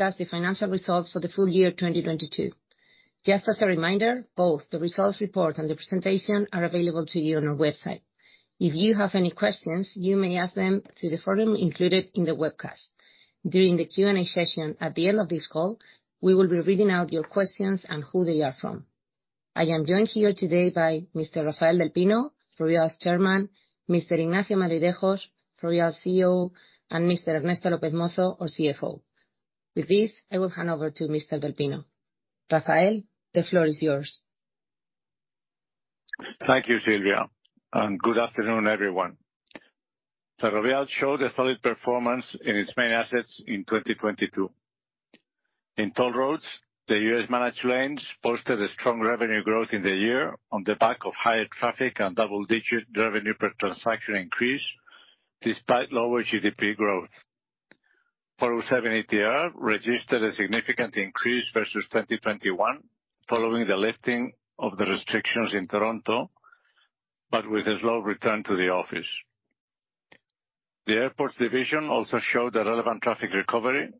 That's the financial results for the full year 2022. Just as a reminder, both the results report and the presentation are available to you on our website. If you have any questions, you may ask them through the forum included in the webcast. During the Q&A session at the end of this call, we will be reading out your questions and who they are from. I am joined here today by Mr. Rafael del Pino, Ferrovial's Chairman, Mr. Ignacio Madridejos, Ferrovial's CEO, and Mr. Ernesto López Mozo, our CFO. With this, I will hand over to Mr. del Pino. Rafael, the floor is yours. Thank you, Silvia. Good afternoon, everyone. Ferrovial showed a solid performance in its main assets in 2022. In toll roads, the U.S. Managed Lanes posted a strong revenue growth in the year on the back of higher traffic and double-digit revenue per transaction increase despite lower GDP growth. 407 ETR registered a significant increase versus 2021 following the lifting of the restrictions in Toronto, but with a slow return to the office. The airports division also showed a relevant traffic recovery.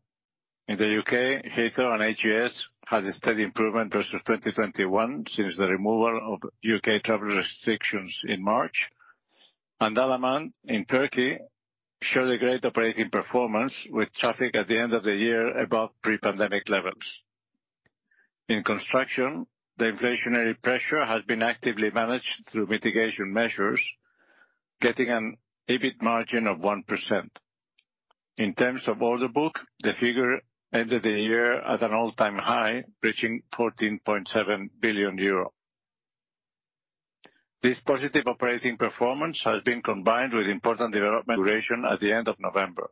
In the U.K., Heathrow and AGS had a steady improvement versus 2021 since the removal of U.K. travel restrictions in March. Dalaman in Turkey showed a great operating performance with traffic at the end of the year above pre-pandemic levels. In construction, the inflationary pressure has been actively managed through mitigation measures, getting an EBIT margin of 1%. In terms of order book, the figure ended the year at an all-time high, reaching 14.7 billion euro. This positive operating performance has been combined with important development duration at the end of November.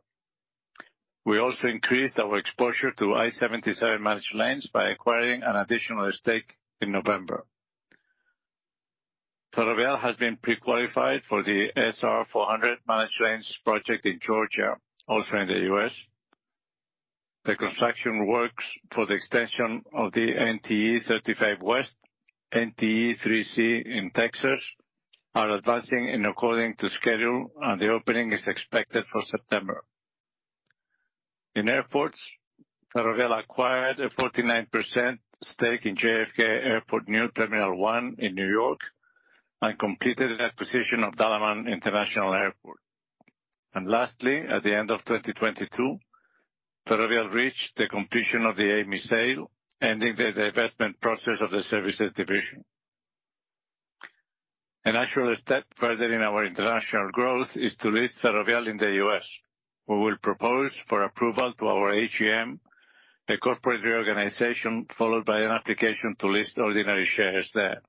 We also increased our exposure to I-77 Managed Lanes by acquiring an additional estate in November. Ferrovial has been pre-qualified for the SR 400 Managed Lanes project in Georgia, also in the U.S. The construction works for the extension of the NTE 35W, NTE 3C in Texas, are advancing in according to schedule, and the opening is expected for September. In airports, Ferrovial acquired a 49% stake in JFK Airport New Terminal One in New York, and completed the acquisition of Dalaman International Airport. Lastly, at the end of 2022, Ferrovial reached the completion of the Amey sale, ending the divestment process of the services division. A natural step further in our international growth is to list Ferrovial in the U.S. We will propose for approval to our AGM a corporate reorganization followed by an application to list ordinary shares there.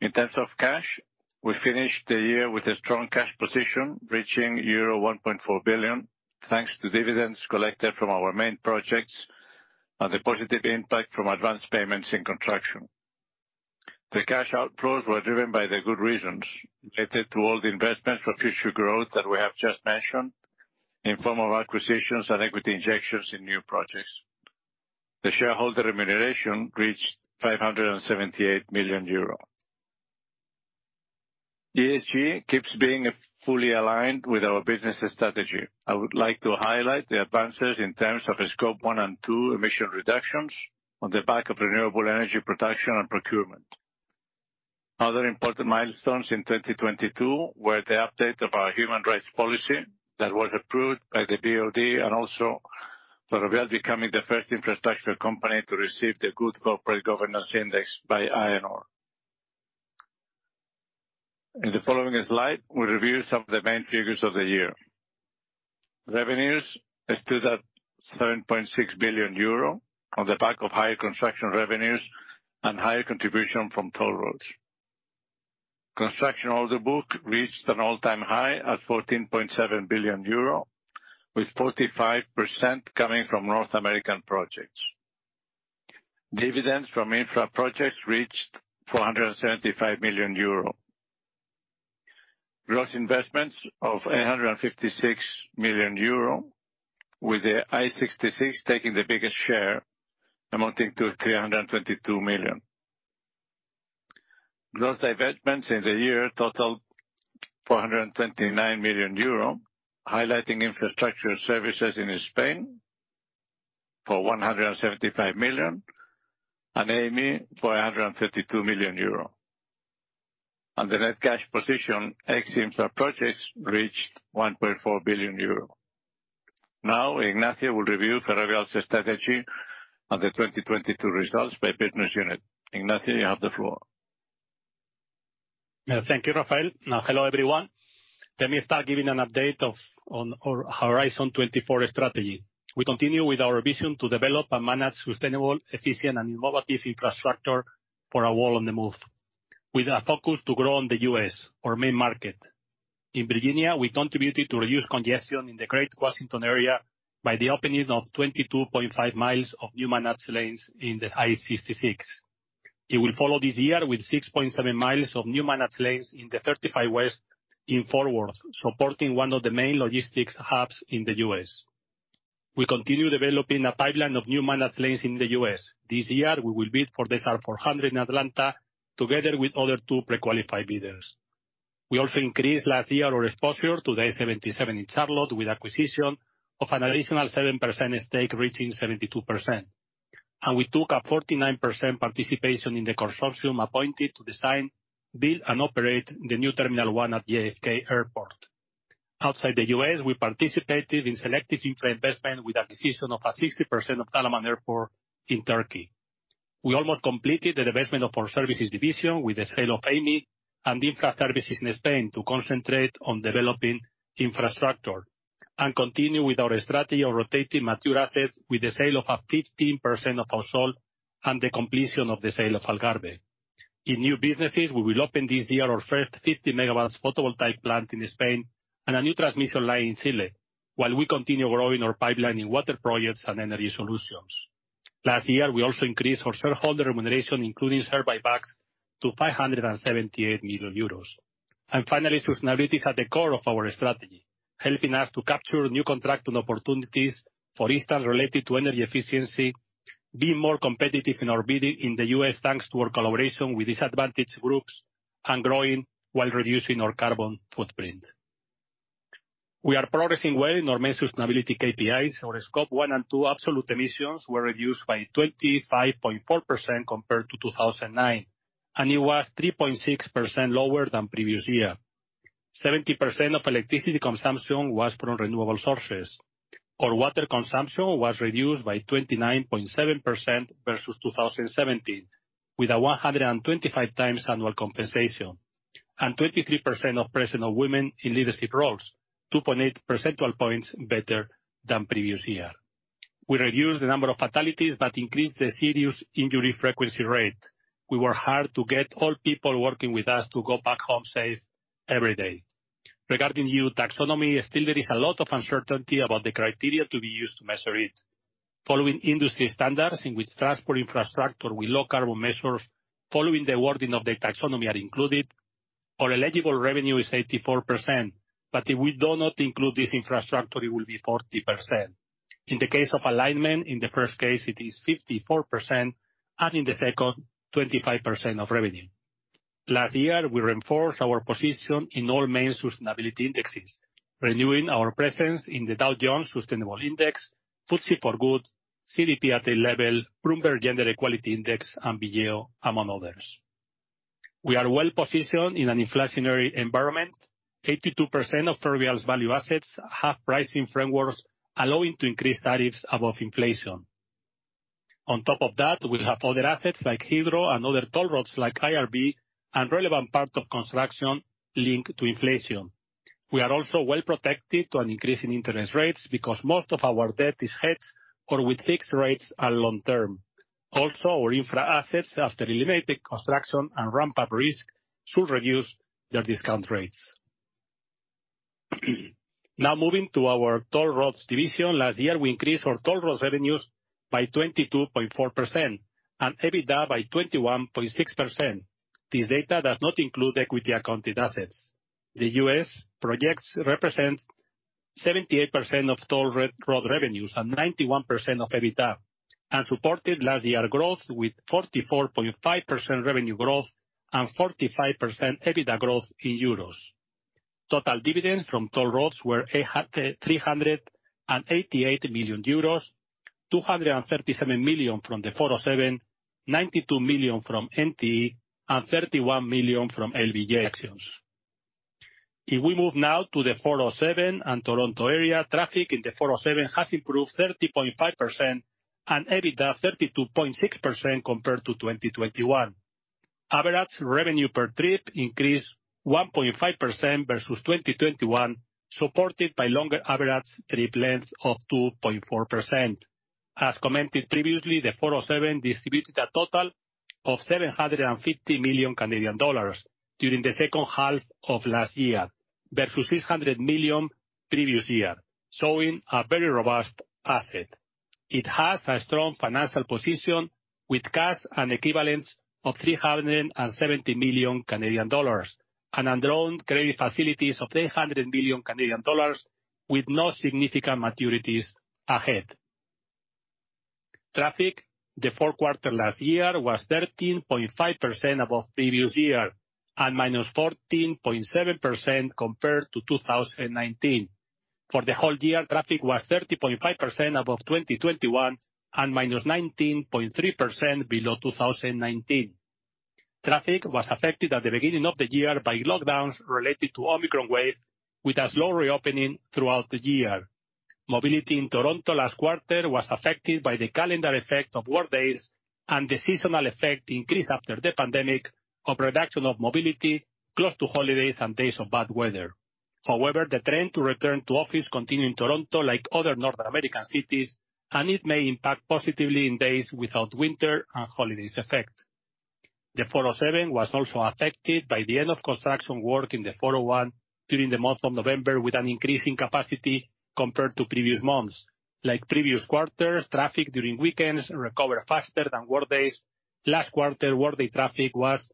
In terms of cash, we finished the year with a strong cash position, reaching euro 1.4 billion, thanks to dividends collected from our main projects and the positive impact from advanced payments in construction. The cash outflows were driven by the good reasons related to all the investments for future growth that we have just mentioned in form of acquisitions and equity injections in new projects. The shareholder remuneration reached 578 million euro. ESG keeps being fully aligned with our business strategy. I would like to highlight the advances in terms of scope one and two emission reductions on the back of renewable energy production and procurement. Other important milestones in 2022 were the update of our human rights policy that was approved by the DoD. Ferrovial becoming the first infrastructure company to receive the Good Corporate Governance Index by INR. In the following slide, we review some of the main figures of the year. Revenues stood at 7.6 billion euro on the back of higher construction revenues and higher contribution from toll roads. Construction order book reached an all-time high at 14.7 billion euro with 45% coming from North American projects. Dividends from infra projects reached 475 million euro. Gross investments of 856 million euro, with the I-66 taking the biggest share, amounting to 322 million. Gross divestments in the year totaled 429 million euro, highlighting Infrastructure Services in Spain for 175 million, and Amey for 132 million euro. The net cash position, ex-infra projects, reached 1.4 billion euro. Now Ignacio will review Ferrovial's strategy and the 2022 results by business unit. Ignacio, you have the floor. Thank you, Rafael. Now hello, everyone. Let me start giving an update on our Horizon 24 strategy. We continue with our vision to develop and manage sustainable, efficient, and innovative infrastructure for a world on the move, with a focus to grow in the U.S., our main market. In Virginia, we contributed to reduce congestion in the Greater Washington area by the opening of 22.5 miles of new Managed Lanes in the I-66. It will follow this year with 6.7 miles of new Managed Lanes in the 35W in Fort Worth, supporting one of the main logistics hubs in the U.S. We continue developing a pipeline of new Managed Lanes in the U.S. This year, we will bid for the SR 400 in Atlanta together with other two pre-qualified bidders. We also increased last year our exposure to the I-77 in Charlotte with acquisition of an additional 7% stake, reaching 72%. We took a 49% participation in the consortium appointed to design, build, and operate the New Terminal One at JFK Airport. Outside the U.S., we participated in selective infra investment with acquisition of a 60% of Dalaman Airport in Turkey. We almost completed the divestment of our services division with the sale of Amey and Infrastructure Services in Spain to concentrate on developing infrastructure and continue with our strategy of rotating mature assets with the sale of a 15% of Ausol and the completion of the sale of Algarve. In new businesses, we will open this year our first 50 megawatts photovoltaic plant in Spain and a new transmission line in Chile, while we continue growing our pipeline in water projects and energy solutions. Last year, we also increased our shareholder remuneration, including share buybacks to 578 million euros. Finally, sustainability is at the core of our strategy, helping us to capture new contractual opportunities, for instance, related to energy efficiency, being more competitive in our bidding in the U.S., thanks to our collaboration with disadvantaged groups, and growing while reducing our carbon footprint. We are progressing well in our main sustainability KPIs. Our Scope one and two absolute emissions were reduced by 25.4% compared to 2009. It was 3.6% lower than previous year. 70% of electricity consumption was from renewable sources. Our water consumption was reduced by 29.7% versus 2017, with a 125x annual compensation. 23% of presence of women in leadership roles, 2.8 percentile points better than previous year. We reduced the number of fatalities but increased the serious injury frequency rate. We work hard to get all people working with us to go back home safe every day. Regarding new taxonomy, still there is a lot of uncertainty about the criteria to be used to measure it. Following industry standards in which transport infrastructure with low carbon measures following the wording of the taxonomy are included, our eligible revenue is 84%. If we do not include this infrastructure, it will be 40%. In the case of alignment, in the first case it is 54%, and in the second, 25% of revenue. Last year, we reinforced our position in all main sustainability indexes, renewing our presence in the Dow Jones Sustainability Index, FTSE4Good, CDP at A level, Bloomberg Gender-Equality Index, and BEGI, among others. We are well-positioned in an inflationary environment. 82% of Ferrovial's value assets have pricing frameworks allowing to increase tariffs above inflation. On top of that, we have other assets like Hydro and other toll roads like IRB and relevant part of construction linked to inflation. We are also well protected to an increase in interest rates because most of our debt is hedged or with fixed rates and long term. Also, our infra assets after eliminated construction and ramp-up risk should reduce their discount rates. Now, moving to our toll roads division. Last year, we increased our toll roads revenues by 22.4% and EBITDA by 21.6%. This data does not include equity accounted assets. The U.S. projects represent 78% of toll re-road revenues and 91% of EBITDA, and supported last year growth with 44.5% revenue growth and 45% EBITDA growth in EUR. Total dividends from toll roads were 388 million euros, 237 million from the 407, 92 million from NTE, and 31 million from LBJ sections. If we move now to the 407 and Toronto area, traffic in the 407 has improved 30.5% and EBITDA 32.6% compared to 2021. Average revenue per trip increased 1.5% versus 2021, supported by longer average trip length of 2.4%. As commented previously, the 407 ETR distributed a total of 750 million Canadian dollars during the second half of last year versus 600 million previous year, showing a very robust asset. It has a strong financial position with cash and equivalents of 370 million Canadian dollars and undrawn credit facilities of 800 million Canadian dollars, with no significant maturities ahead. Traffic. The fourth quarter last year was 13.5% above previous year and -14.7% compared to 2019. For the whole year, traffic was 30.5% above 2021 and -19.3% below 2019. Traffic was affected at the beginning of the year by lockdowns related to Omicron wave, with a slow reopening throughout the year. Mobility in Toronto last quarter was affected by the calendar effect of workdays and the seasonal effect increase after the pandemic of reduction of mobility close to holidays and days of bad weather. The trend to return to office continue in Toronto like other North American cities, and it may impact positively in days without winter and holidays effect. The 407 was also affected by the end of construction work in the 401 during the month of November, with an increase in capacity compared to previous months. Like previous quarters, traffic during weekends recovered faster than workdays. Last quarter, workday traffic was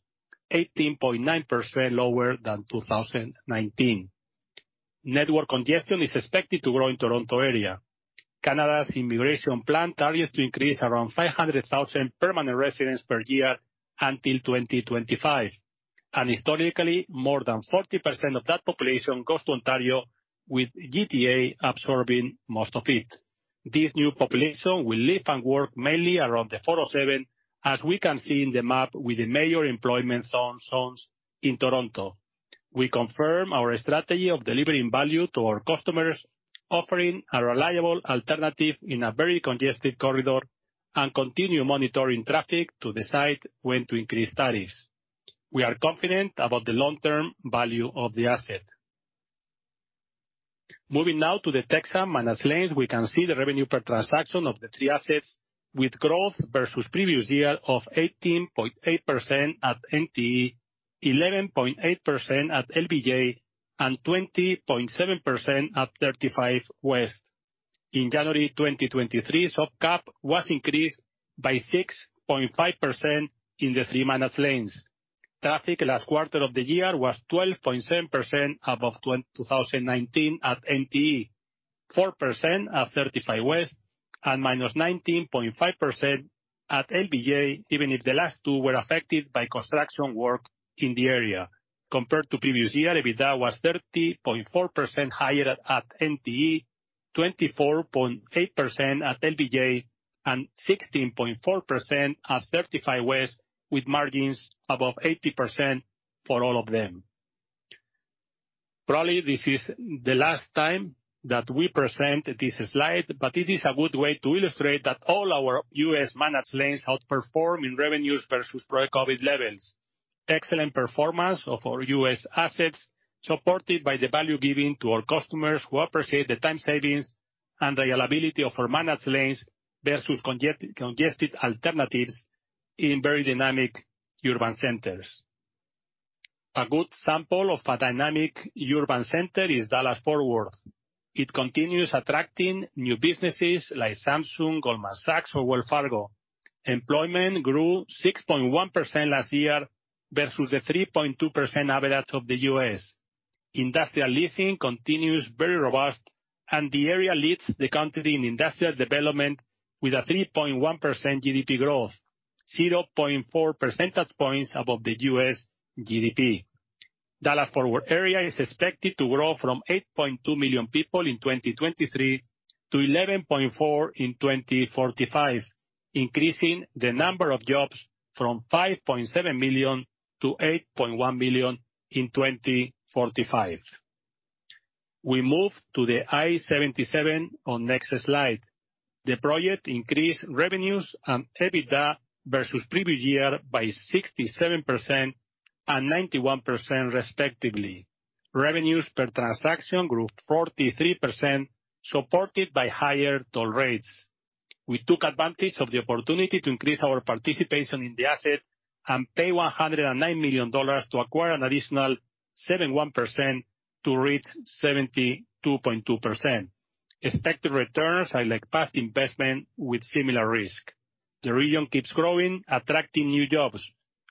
18.9% lower than 2019. Network congestion is expected to grow in Toronto area. Canada's immigration plan targets to increase around 500,000 permanent residents per year until 2025. Historically, more than 40% of that population goes to Ontario, with GTA absorbing most of it. This new population will live and work mainly around the 407, as we can see in the map with the major employment zones in Toronto. We confirm our strategy of delivering value to our customers, offering a reliable alternative in a very congested corridor. Continue monitoring traffic to decide when to increase tariffs. We are confident about the long-term value of the asset. Moving now to the Texpress Managed Lanes, we can see the revenue per transaction of the three assets with growth versus previous year of 18.8% at NTE, 11.8% at LBJ, and 20.7% at 35W. In January 2023, soft cap was increased by 6.5% in the three Managed Lanes. Traffic last quarter of the year was 12.7% above 2019 at NTE, 4% at thirty-five West, and minus 19.5% at LBJ, even if the last two were affected by construction work in the area. Compared to previous year, EBITDA was 30.4% higher at NTE, 24.8% at LBJ, and 16.4% at thirty-five West, with margins above 80% for all of them. Probably this is the last time that we present this slide, but it is a good way to illustrate that all our U.S. Managed Lanes outperform in revenues versus pre-COVID levels. Excellent performance of our U.S. assets, supported by the value giving to our customers who appreciate the time savings and reliability of our Managed Lanes versus congested alternatives in very dynamic urban centers. A good sample of a dynamic urban center is Dallas-Fort Worth. It continues attracting new businesses like Samsung, Goldman Sachs or Wells Fargo. Employment grew 6.1% last year versus the 3.2% average of the U.S. Industrial leasing continues very robust, and the area leads the country in industrial development with a 3.1% GDP growth, 0.4 percentage points above the U.S. GDP. Dallas-Fort Worth area is expected to grow from 8.2 million people in 2023 to 11.4 million in 2045, increasing the number of jobs from 5.7 million-8.1 million in 2045. We move to the I-77 on next slide. The project increased revenues and EBITDA versus previous year by 67% and 91% respectively. Revenues per transaction grew 43%, supported by higher toll rates. We took advantage of the opportunity to increase our participation in the asset and pay $109 million to acquire an additional 7.1% to reach 72.2%. Expected returns are like past investment with similar risk. The region keeps growing, attracting new jobs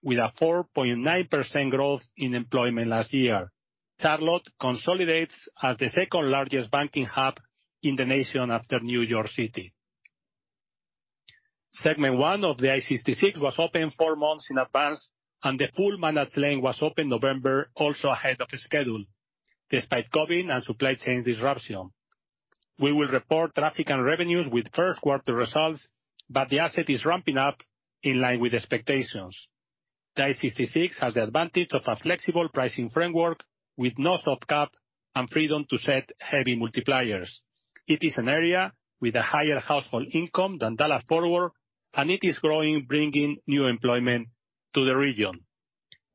with a 4.9% growth in employment last year. Charlotte consolidates as the second largest banking hub in the nation after New York City. Segment one of the I-66 was open four months in advance. The full managed lane was open November, also ahead of the schedule, despite COVID and supply chain disruption. We will report traffic and revenues with first quarter results, but the asset is ramping up in line with expectations. The I-66 has the advantage of a flexible pricing framework with no soft cap and freedom to set heavy multipliers. It is an area with a higher household income than Dallas-Fort Worth, and it is growing, bringing new employment to the region.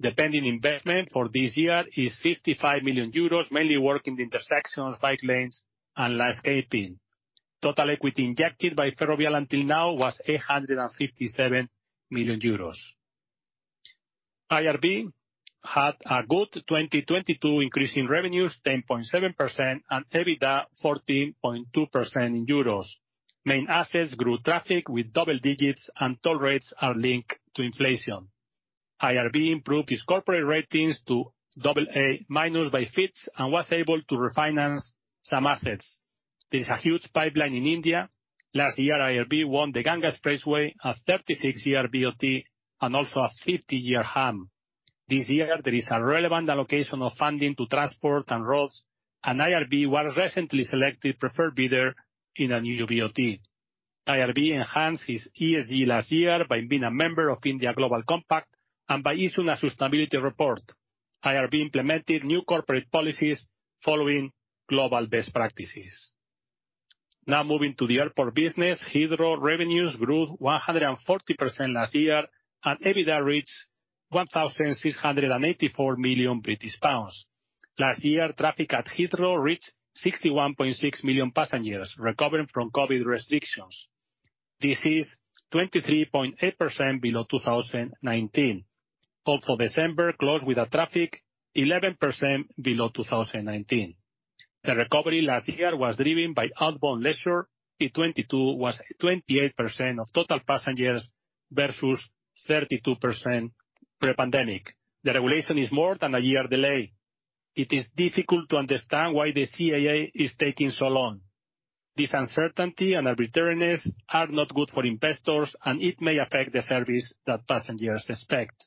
The pending investment for this year is 55 million euros, mainly work in the intersection, site lanes, and landscaping. Total equity injected by Ferrovial until now was 857 million euros. IRB had a good 2022, increasing revenues 10.7% and EBITDA 14.2% in euros. Main assets grew traffic with double digits, and toll rates are linked to inflation. IRB improved its corporate ratings to AA- by fits and was able to refinance some assets. There is a huge pipeline in India. Last year, IRB won the Ganges Expressway, a 36-year BOT, and also a 50-year HAM. This year, there is a relevant allocation of funding to transport and roads, and IRB was recently selected preferred bidder in a new BOT. IRB enhanced its ESG last year by being a member of India Global Compact and by issuing a sustainability report. IRB implemented new corporate policies following global best practices. Moving to the airport business. Heathrow revenues grew 140% last year, and EBITDA reached 1,684 million British pounds. Last year, traffic at Heathrow reached 61.6 million passengers recovering from COVID restrictions. This is 23.8% below 2019. December closed with a traffic 11% below 2019. The recovery last year was driven by outbound leisure. In 2022 was 28% of total passengers versus 32% in pre-pandemic. The regulation is more than a year delay. It is difficult to understand why the CAA is taking so long. This uncertainty and arbitrariness are not good for investors, and it may affect the service that passengers expect.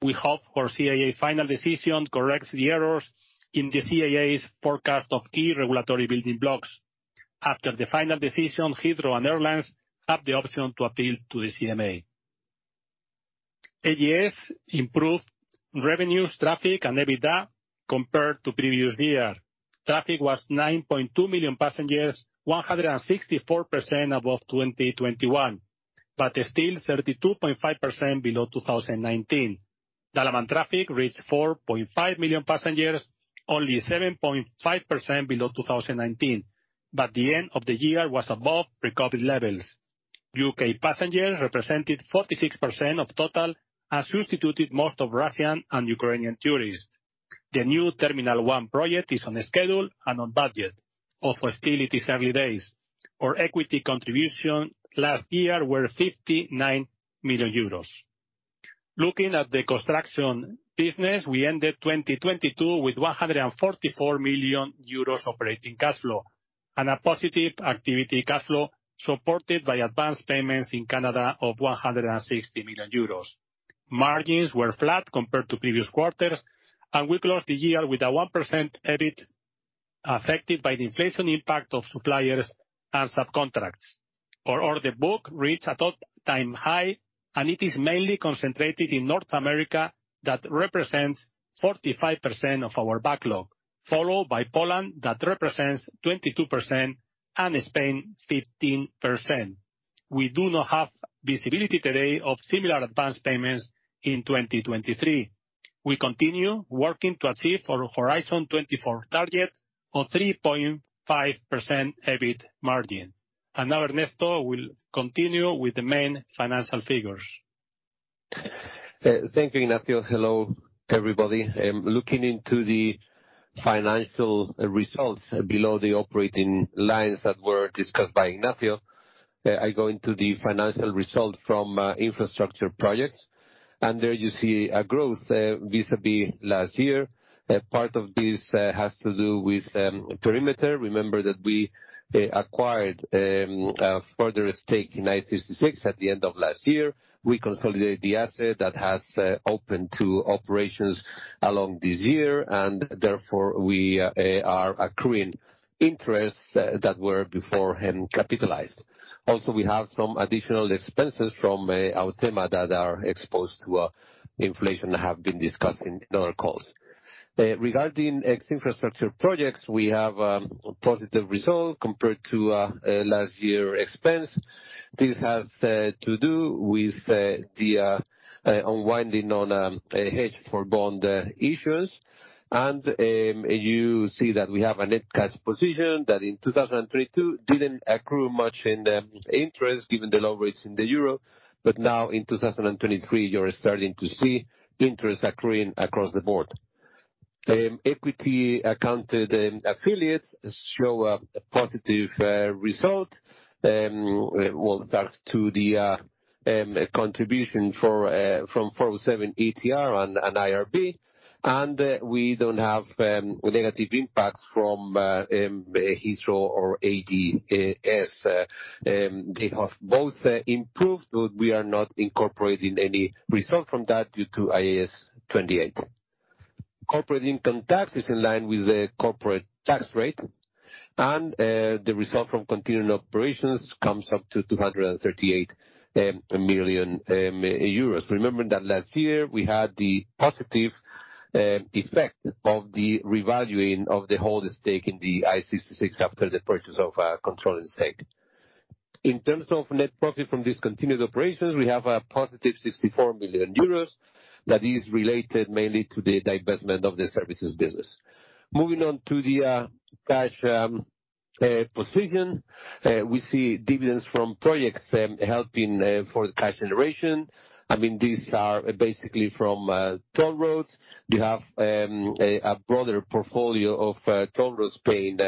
We hope our CAA final decision corrects the errors in the CAA's forecast of key regulatory building blocks. After the final decision, Heathrow and airlines have the option to appeal to the CMA. AGS improved revenues, traffic and EBITDA compared to previous year. Traffic was 9.2 million passengers, 164% above 2021, but still 32.5% below 2019. Dalaman traffic reached 4.5 million passengers, only 7.5% below 2019, the end of the year was above pre-COVID levels. U.K. passengers represented 46% of total and substituted most of Russian and Ukrainian tourists. The New Terminal One project is on schedule and on budget, although still it is heavy days. Our equity contribution last year were 59 million euros. Looking at the construction business, we ended 2022 with 144 million euros operating cash flow and a positive activity cash flow supported by advanced payments in Canada of 160 million euros. Margins were flat compared to previous quarters, we closed the year with a 1% EBIT, affected by the inflation impact of suppliers and subcontracts. Our order book reached an all-time high, and it is mainly concentrated in North America, that represents 45% of our backlog, followed by Poland, that represents 22%, and Spain 15%. We do not have visibility today of similar advanced payments in 2023. We continue working to achieve our Horizon 24 target of 3.5% EBIT margin. Now Ernesto will continue with the main financial figures. Thank you, Ignacio. Hello, everybody. Looking into the financial results below the operating lines that were discussed by Ignacio, I go into the financial result from infrastructure projects. There you see a growth vis-a-vis last year. A part of this has to do with Perimeter. Remember that we acquired a further stake in I-66 at the end of last year. We consolidate the asset that has opened to operations along this year, and therefore we are accruing interest that were beforehand capitalized. We have some additional expenses from Autema that are exposed to inflation, that have been discussed in other calls. Regarding ex-infrastructure projects, we have a positive result compared to last year expense. This has to do with the unwinding on a hedge for bond issues. You see that we have a net cash position that in 2022 didn't accrue much in interest given the low rates in the euro, but now in 2023, you're starting to see interest accruing across the board. Equity-accounted affiliates show a positive result thanks to the contribution from 407 ETR and IRB, and we don't have negative impacts from Heathrow or AGS. They have both improved, we are not incorporating any result from that due to IAS 28. Corporate income tax is in line with the corporate tax rate. The result from continuing operations comes up to 238 million euros. Remember that last year we had the positive effect of the revaluing of the whole stake in the I-66 after the purchase of a controlling stake. In terms of net profit from discontinued operations, we have a positive 64 million euros that is related mainly to the divestment of the Infrastructure Services business. Moving on to the cash position, we see dividends from projects helping for cash generation. I mean, these are basically from toll roads. You have a broader portfolio of toll roads paying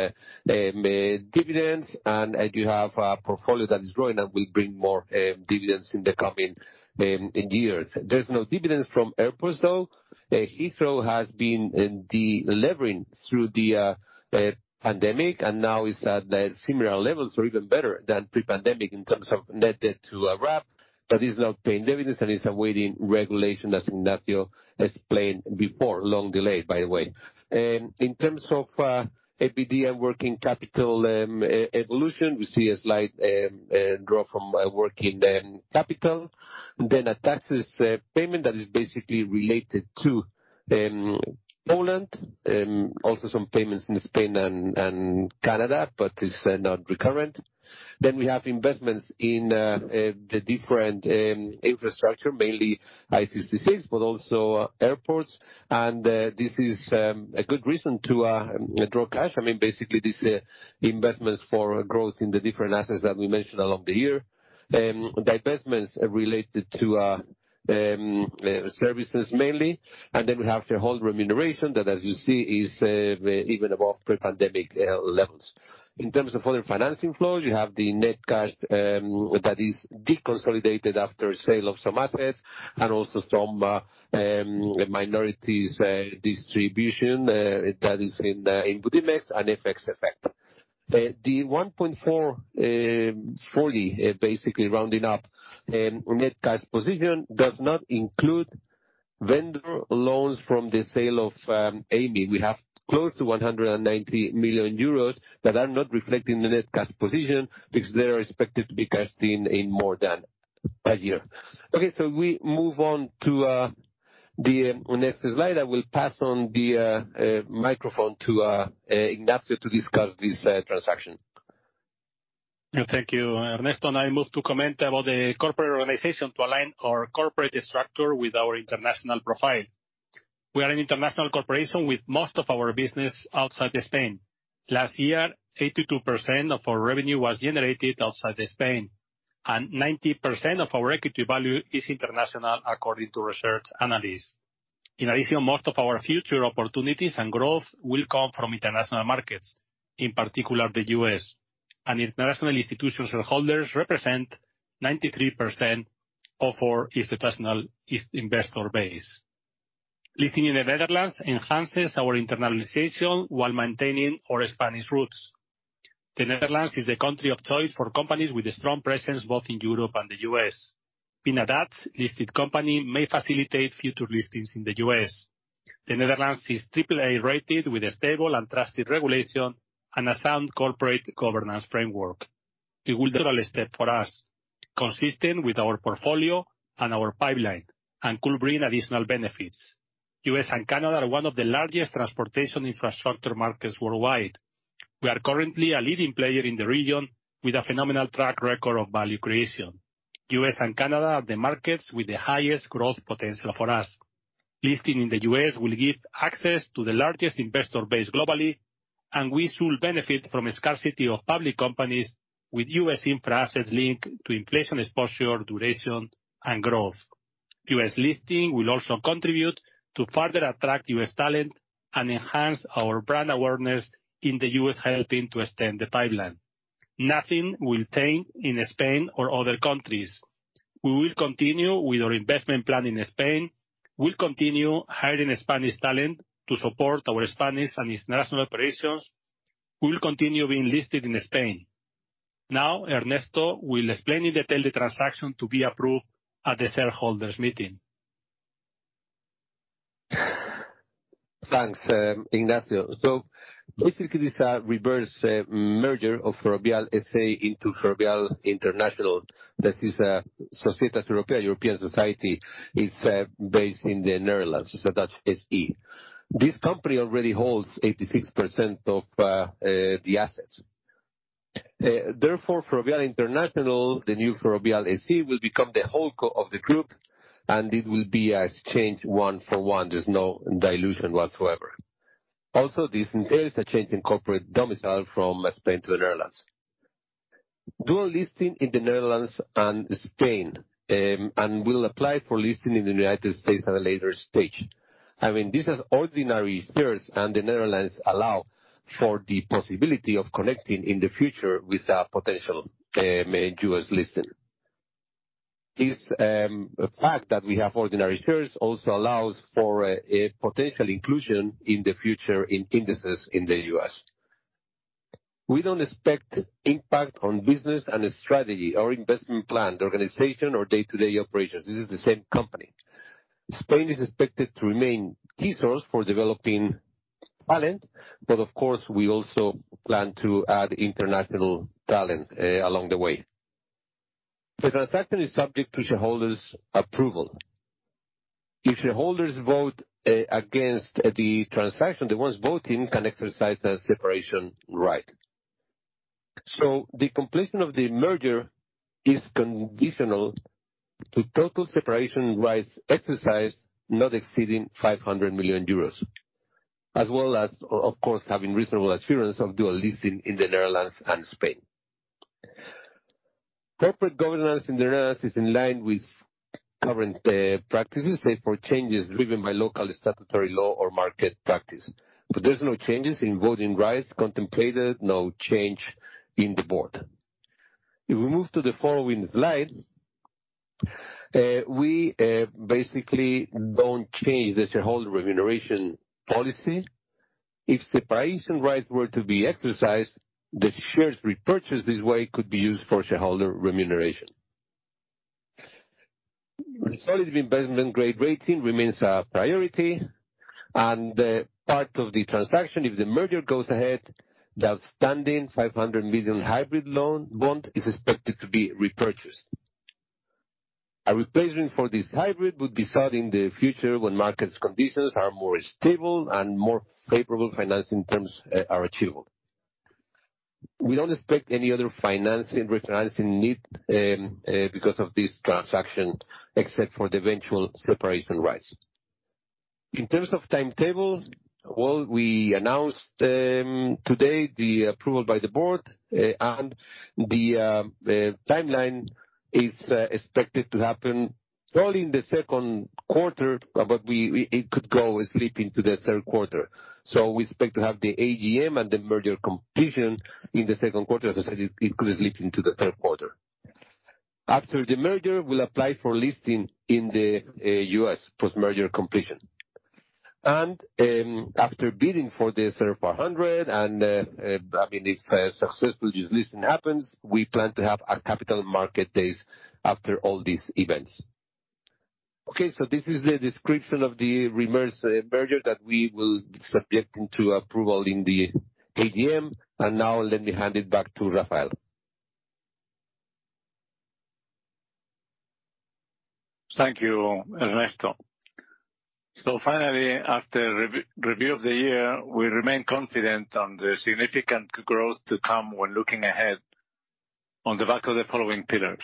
dividends. You have a portfolio that is growing and will bring more dividends in the coming years. [There's no dividends from airport though. Heathrow has been in the levering through the pandemic and now it's at the similar levels or even better than pre-pandemic in terms of net to Iraq, but is not paying dividend and is awaiting regulation as in Ignacio explained before long delayed by the way. In terms of EBITDA working capital evolution, we see a slight draw from work capital and then a taxes payment that is basically related to Poland. Also some payments in Spain and Canada, but it's not recurrent. Then we have investments in the different infrastructure, mainly I-66, but also airports. And this is a good reason to draw cash.] I mean basically divestments related to services mainly, and then we have the whole remuneration that, as you see, is even above pre-pandemic levels. In terms of other financing flows, you have the net cash that is deconsolidated after sale of some assets and also some minorities distribution that is in Budimex and FX effect. The 1.440, basically rounding up, net cash position does not include vendor loans from the sale of Amey. We have close to 190 million euros that are not reflected in the net cash position because they are expected to be cashed in in more than a year. Okay, so we move on to the next slide. I will pass on the microphone to Ignacio to discuss this transaction. Yeah, thank you, Ernesto. I move to comment about the corporate organization to align our corporate structure with our international profile. We are an international corporation with most of our business outside Spain. Last year, 82% of our revenue was generated outside Spain, and 90% of our equity value is international according to research analysis. In addition, most of our future opportunities and growth will come from international markets, in particular the U.S. International institutional shareholders represent 93% of our institutional investor base. Listing in the Netherlands enhances our internationalization while maintaining our Spanish roots. The Netherlands is the country of choice for companies with a strong presence both in Europe and the U.S. Being a Dutch-listed company may facilitate future listings in the U.S. The Netherlands is AAA rated with a stable and trusted regulation and a sound corporate governance framework. [...consistent with our portfolio and our pipeline and RIN regional benefits. U.S. and Canada are one of the largest transportation infrastructure markets worldwide. We are currently a leading player in the region with a phenomenal track record of value creation. U.S. and Canada are the markets with the highest growth potential for us. Listing in the U.S. will give access to the largest investor base globally, and we soon benefit from a scarcity of public companies with U.S. infra assets linked to inflation exposure to and growth. U.S listing will also contribute to further attract U.S. Talent and enhance our brand awareness in the U.S helping to extend the pipeline. Nothing will in Spain or other countries. We'll continue with our investment plan in Spain. We'll continue hiring a Spanish talent to support our Spanish and international operations will continue be enlisted in Spain. Now Ernesto will explain in the tele transaction to be approved at the shareholders meeting.] Thanks, Ignacio. Basically, this reverse merger of Ferrovial S.A. into Ferrovial International. This is a Societas Europaea, European society. It's based in the Netherlands, so Dutch SE. This company already holds 86% of the assets. Therefore, Ferrovial International, the new Ferrovial SE, will become the whole co of the group, and it will be exchanged 1 for 1. There's no dilution whatsoever. Also, this entails a change in corporate domicile from Spain to the Netherlands. Dual listing in the Netherlands and Spain, and will apply for listing in the United States at a later stage. I mean, this has ordinary shares, and the Netherlands allow for the possibility of connecting in the future with a potential U.S. listing. This fact that we have ordinary shares also allows for a potential inclusion in the future in indices in the U.S. We don't expect impact on business and strategy or investment plan, the organization or day-to-day operations. This is the same company. Spain is expected to remain key source for developing talent, but of course, we also plan to add international talent along the way. The transaction is subject to shareholders' approval. If shareholders vote against the transaction, the ones voting can exercise their separation right. The completion of the merger is conditional to total separation rights exercised, not exceeding 500 million euros, as well as, of course, having reasonable assurance of dual listing in the Netherlands and Spain. Corporate governance in the Netherlands is in line with current practices, save for changes driven by local statutory law or market practice. There's no changes in voting rights contemplated, no change in the Board. If we move to the following slide, we basically don't change the shareholder remuneration policy. If separation rights were to be exercised, the shares repurchased this way could be used for shareholder remuneration. Solid investment grade rating remains a priority. Part of the transaction, if the merger goes ahead, the outstanding 500 million hybrid loan bond is expected to be repurchased. A replacement for this hybrid would be sought in the future when market conditions are more stable and more favorable financing terms are achievable. We don't expect any other financing, refinancing need, because of this transaction, except for the eventual separation rights. In terms of timetable, well, we announced today the approval by the Board, and the timeline is expected to happen early in the second quarter, but it could go slip into the third quarter. We expect to have the AGM and the merger completion in the second quarter. As I said, it could slip into the third quarter. After the merger, we'll apply for listing in the U.S. post-merger completion. After bidding for the SR 500 and, I mean, if successful listing happens, we plan to have our capital market days after all these events. This is the description of the reverse merger that we will be subjecting to approval in the AGM. Now let me hand it back to Rafael. Thank you, Ernesto. Finally, after review of the year, we remain confident on the significant growth to come when looking ahead on the back of the following pillars.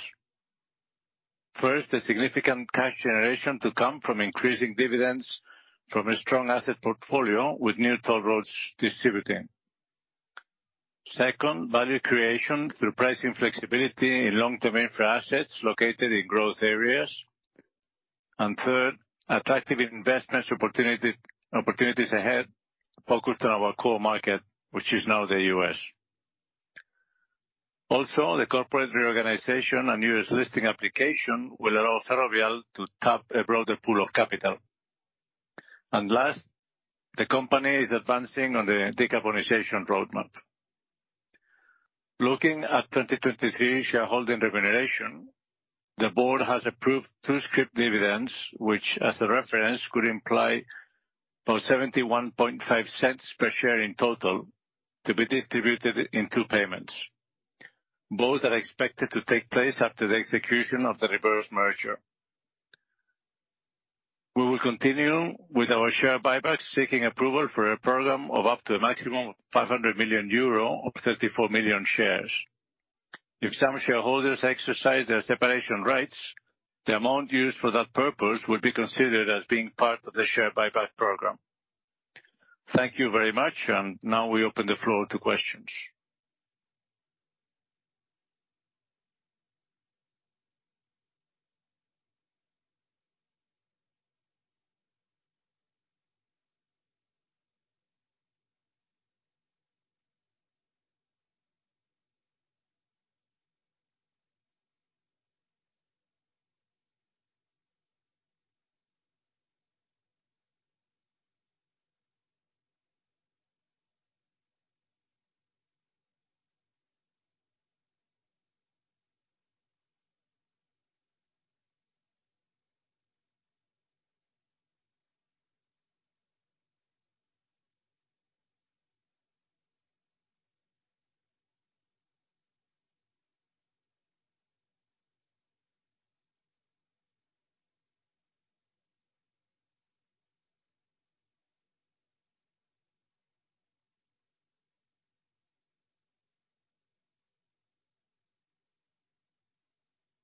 First, the significant cash generation to come from increasing dividends from a strong asset portfolio with new toll roads distributing. Second, value creation through pricing flexibility in long-term infra assets located in growth areas. Third, attractive investment opportunities ahead focused on our core market, which is now the U.S. Also, the corporate reorganization and U.S. listing application will allow Ferrovial to tap a broader pool of capital. Last, the company is advancing on the decarbonization roadmap. Looking at 2023 shareholding remuneration, the Board has approved two script dividends, which as a reference could imply about 0.715 per share in total to be distributed in two payments. Both are expected to take place after the execution of the reverse merger. We will continue with our share buyback, seeking approval for a program of up to a maximum of 500 million euro or 34 million shares. If some shareholders exercise their separation rights, the amount used for that purpose will be considered as being part of the share buyback program. Thank you very much. Now we open the floor to questions.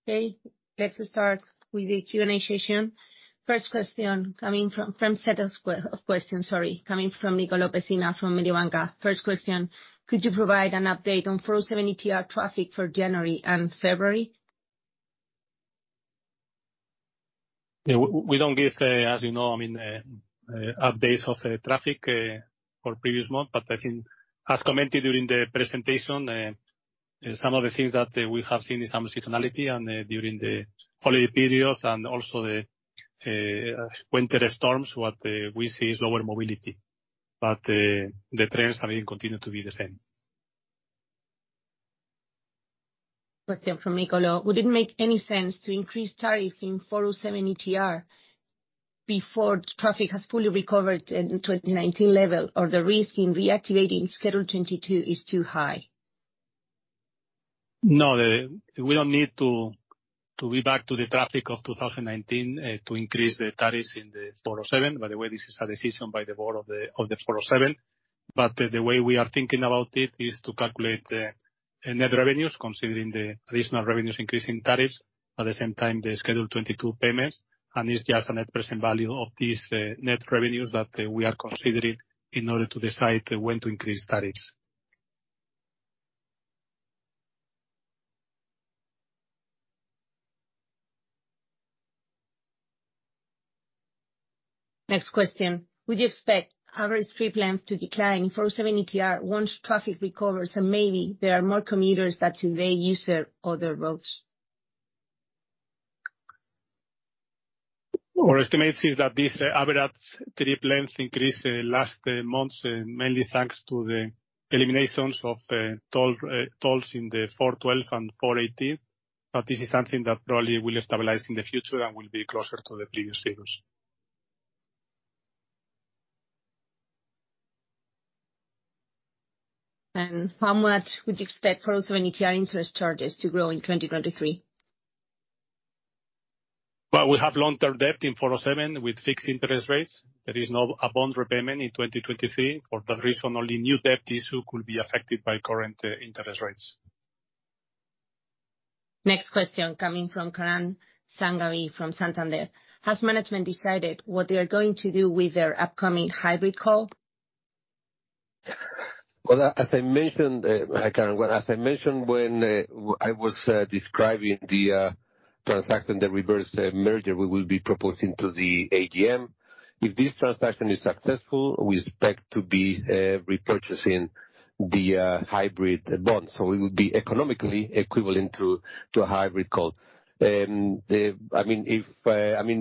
Okay, let's start with the Q&A session. First question coming from set of questions, sorry, coming from Nicolò Pessina from Mediobanca. First question, could you provide an update on 407 ETR traffic for January and February? Yeah, we don't give, as you know, I mean, updates of traffic for previous month. I think as commented during the presentation, some of the things that we have seen is some seasonality and during the holiday periods and also the winter storms, what we see is lower mobility. The trends have been continued to be the same. Question from Nicolò. Would it make any sense to increase tariffs in 407 ETR before traffic has fully recovered in 2019 level, or the risk in reactivating Schedule 2022 is too high? No, we don't need to be back to the traffic of 2019 to increase the tariffs in the 407. By the way, this is a decision by the Board of the 407. The way we are thinking about it is to calculate the net revenues considering the additional revenues increase in tariffs, at the same time, the Schedule 2022 payments. It's just a net present value of these net revenues that we are considering in order to decide when to increase tariffs. Next question. Would you expect average trip length to decline in 407 ETR once traffic recovers and maybe there are more commuters that today use other roads? Our estimate is that these average trip lengths increased last months, mainly thanks to the eliminations of tolls in the 412 and 418. This is something that probably will stabilize in the future and will be closer to the previous figures. How much would you expect 407 ETR interest charges to grow in 2023? We have long-term debt in 407 with fixed interest rates. There is no bond repayment in 2023. For that reason, only new debt issue could be affected by current interest rates. Next question coming from Karan Sanghavi from Santander. Has management decided what they are going to do with their upcoming hybrid call? As I mentioned, Karan, when I was describing the transaction, the reverse merger we will be proposing to the AGM. If this transaction is successful, we expect to be repurchasing the hybrid bonds, so it will be economically equivalent to a hybrid call. I mean, if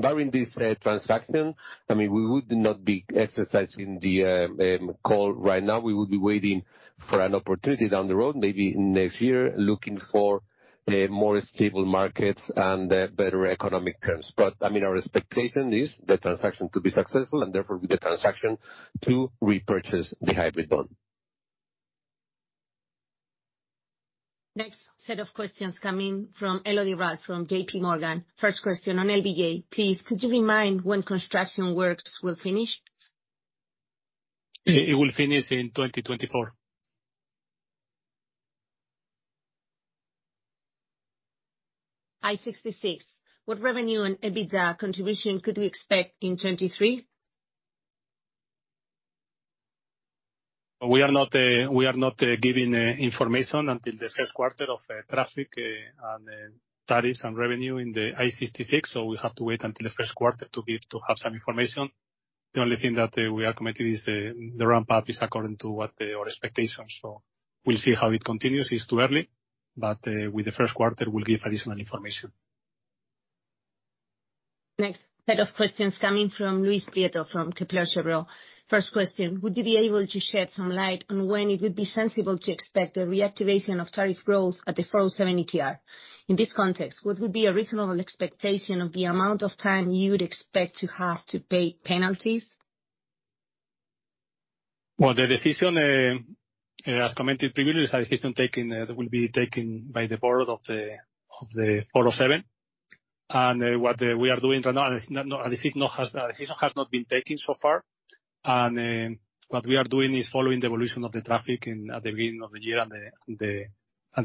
barring this transaction, I mean, we would not be exercising the call right now. We would be waiting for an opportunity down the road, maybe next year, looking for a more stable markets and better economic terms. I mean, our expectation is the transaction to be successful and therefore with the transaction to repurchase the hybrid bond. Next set of questions coming from Elodie Rall from JPMorgan. First question on LBJ. Please, could you remind when construction works will finish? It will finish in 2024. I-66, what revenue and EBITDA contribution could we expect in 2023? We are not, we are not giving information until the first quarter of traffic and then tariffs and revenue in the I-66. We have to wait until the first quarter to give, to have some information. The only thing that we are committed is the ramp up is according to what our expectations. We'll see how it continues. It's too early. With the first quarter we'll give additional information. Next set of questions coming from Luis Prieto from CaixaBank BPI. First question, would you be able to shed some light on when it would be sensible to expect the reactivation of tariff growth at the 407 ETR? In this context, what would be a reasonable expectation of the amount of time you'd expect to have to pay penalties? Well, the decision, as commented previously, is a decision taken that will be taken by the board of the 407. What we are doing right now, a decision has not been taken so far. What we are doing is following the evolution of the traffic in, at the beginning of the year and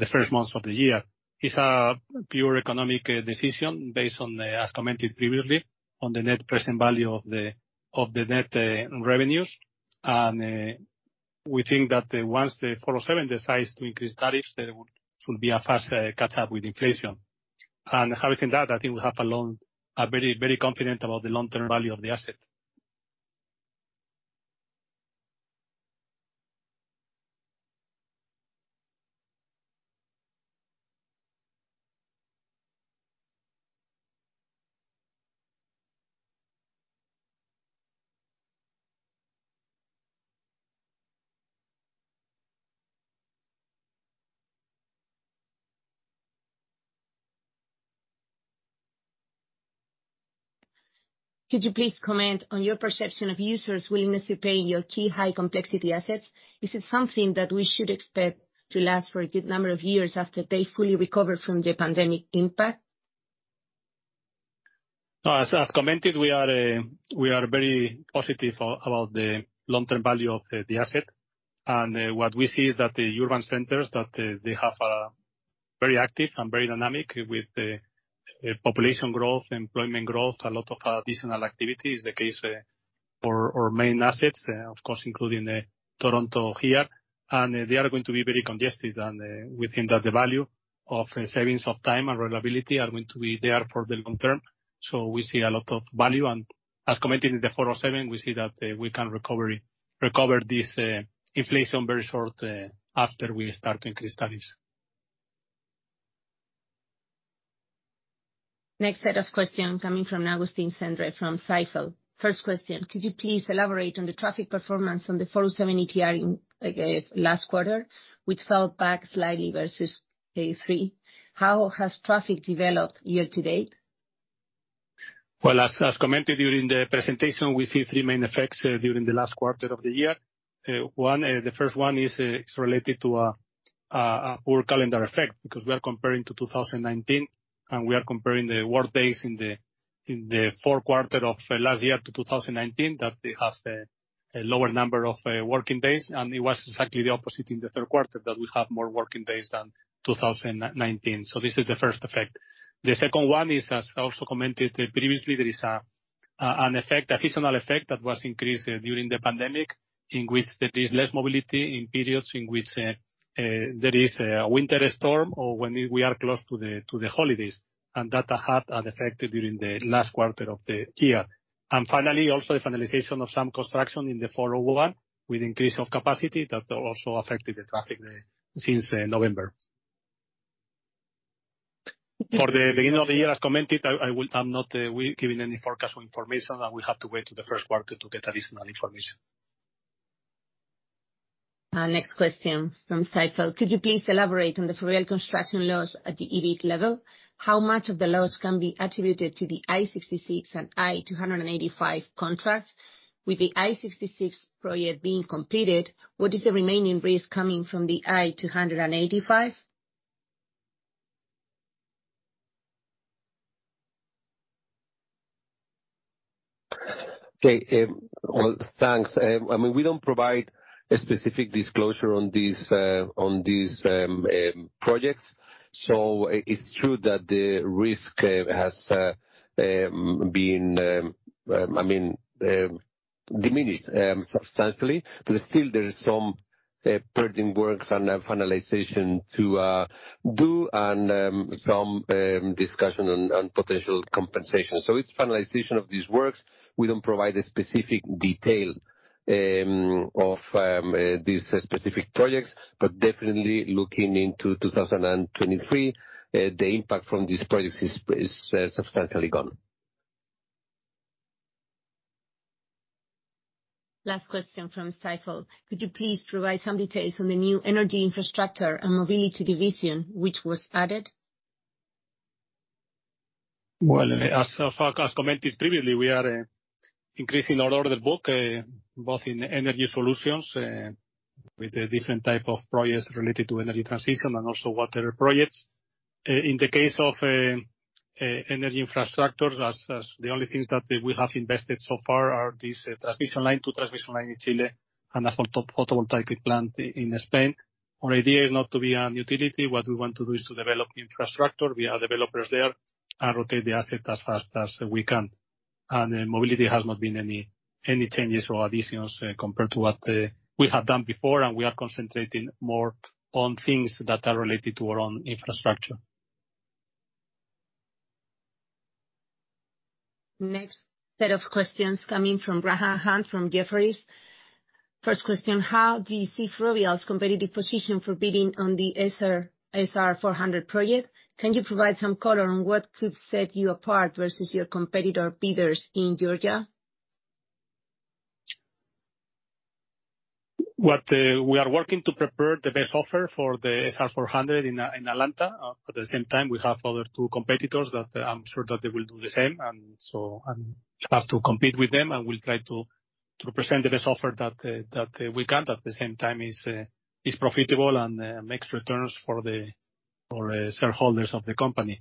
the first months of the year. It's a pure economic decision based on the, as commented previously, on the net present value of the net revenues. We think that once the 407 decides to increase tariffs, it will be a fast catch up with inflation. How we can do that, I think we have a long... are very, very confident about the long-term value of the asset. Could you please comment on your perception of users' willingness to pay your key high complexity assets? Is it something that we should expect to last for a good number of years after they fully recover from the pandemic impact? As commented, we are very positive about the long-term value of the asset. What we see is that the urban centers, that they have a very active and very dynamic with the population growth, employment growth, a lot of seasonal activity is the case for our main assets, of course including Toronto here. They are going to be very congested. We think that the value of savings of time and reliability are going to be there for the long term. We see a lot of value. As commented in the 407, we see that we can recover this inflation very short after we start to increase tariffs. Next set of questions coming from Augustin Cendre from Stifel. First question, could you please elaborate on the traffic performance on the 407 ETR in, I guess, last quarter, which fell back slightly versus Q3? How has traffic developed year to date? As commented during the presentation, we see three main effects during the last quarter of the year. One, the first one is related to a poor calendar effect because we are comparing to 2019, and we are comparing the work days in the fourth quarter of last year to 2019, that it has a lower number of working days. It was exactly the opposite in the third quarter, that we have more working days than 2019. This is the first effect. The second one is, as also commented previously, there is an effect, a seasonal effect that was increased during the pandemic, in which there is less mobility in periods in which there is a winter storm or when we are close to the holidays. That had an effect during the last quarter of the year. Finally, also the finalization of some construction in the fall over with increase of capacity that also affected the traffic since November. For the beginning of the year, as commented, I'm not giving any forecast or information, and we have to wait till the first quarter to get additional information. Next question from Stifel. Could you please elaborate on the Ferrovial Construction loss at the EBIT level? How much of the loss can be attributed to the I-66 and I-285 contracts? With the I-66 project being completed, what is the remaining risk coming from the I-285? Okay. Well, thanks. I mean, we don't provide a specific disclosure on these on these projects. It's true that the risk has been diminished substantially. Still there is some pertinent works and finalization to do and some discussion and potential compensation. It's finalization of these works. We don't provide a specific detail of these specific projects. Definitely looking into 2023, the impact from these projects is substantially gone. Last question from Stifel. Could you please provide some details on the new energy infrastructure and mobility division which was added? Well, as [Facas] commented previously, we are increasing our order book, both in energy solutions, with the different type of projects related to energy transition and also water projects. In the case of energy infrastructures, as the only things that we have invested so far are these transmission line, two transmission line in Chile and a photovoltaic plant in Spain. Our idea is not to be on utility. What we want to do is to develop infrastructure. We are developers there and rotate the asset as fast as we can. Mobility has not been any changes or additions compared to what we have done before. We are concentrating more on things that are related to our own infrastructure. Next set of questions coming from Graham Hunt from Jefferies. First question, how do you see Ferrovial's competitive position for bidding on the SR 400 project? Can you provide some color on what could set you apart versus your competitor bidders in Georgia? What we are working to prepare the best offer for the SR 400 in Atlanta. At the same time we have other two competitors that I'm sure that they will do the same. Have to compete with them, and we'll try to present the best offer that we can. At the same time is profitable and makes returns for the shareholders of the company.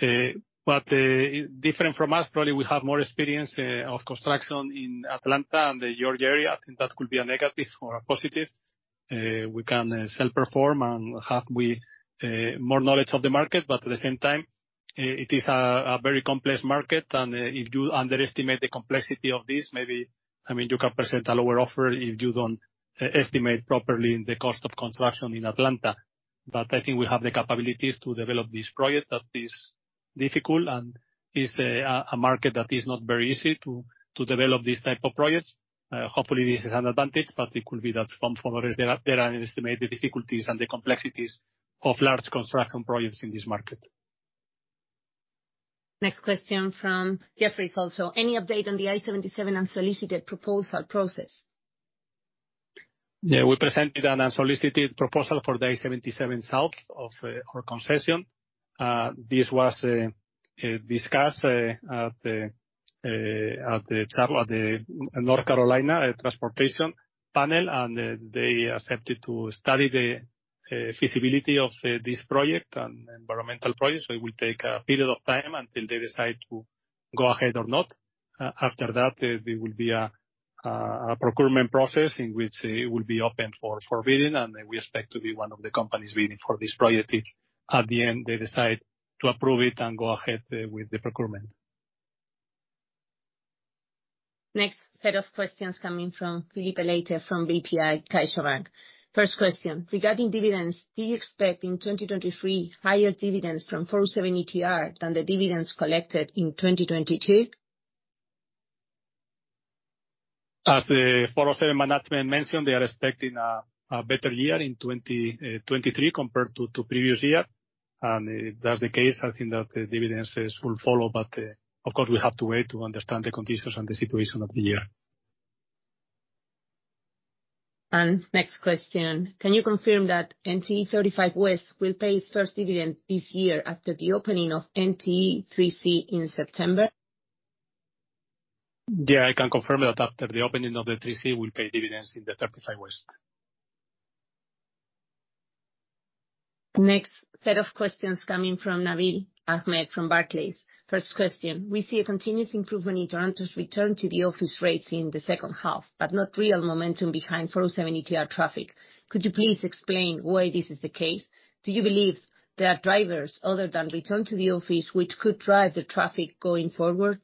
Different from us, probably we have more experience of construction in Atlanta and the Georgia area. I think that could be a negative or a positive. We can self-perform and have we more knowledge of the market. At the same time, it is a very complex market. If you underestimate the complexity of this, maybe, I mean, you can present a lower offer if you don't estimate properly the cost of construction in Atlanta. I think we have the capabilities to develop this project that is difficult and is a market that is not very easy to develop these type of projects. Hopefully this is an advantage, but it could be that some competitors, they underestimate the difficulties and the complexities of large construction projects in this market. Next question from Jefferies also. Any update on the I-77 unsolicited proposal process? Yeah. We presented an unsolicited proposal for the I-77 south of our concession. This was discussed at the North Carolina Transportation Panel, and they accepted to study the feasibility of this project and environmental projects. It will take a period of time until they decide to go ahead or not. After that, there will be a procurement process in which it will be open for bidding, and we expect to be one of the companies bidding for this project if at the end they decide to approve it and go ahead with the procurement. Next set of questions coming from Filipe Leite from BPI CaixaBank. First question: regarding dividends, do you expect in 2023 higher dividends from 407 ETR than the dividends collected in 2022? As the 407 ETR management mentioned, they are expecting a better year in 2023 compared to previous year. If that's the case, I think that the dividends will follow. Of course, we have to wait to understand the conditions and the situation of the year. Next question: Can you confirm that NTE 35W will pay its first dividend this year after the opening of NTE 3C in September? Yeah, I can confirm that after the opening of the 3C, we'll pay dividends in the 35W. Next set of questions coming from Nabeel Ahmed from Barclays. First question: We see a continuous improvement in Toronto's return to the office rates in the second half, but not real momentum behind 407 ETR traffic. Could you please explain why this is the case? Do you believe there are drivers other than return to the office which could drive the traffic going forward?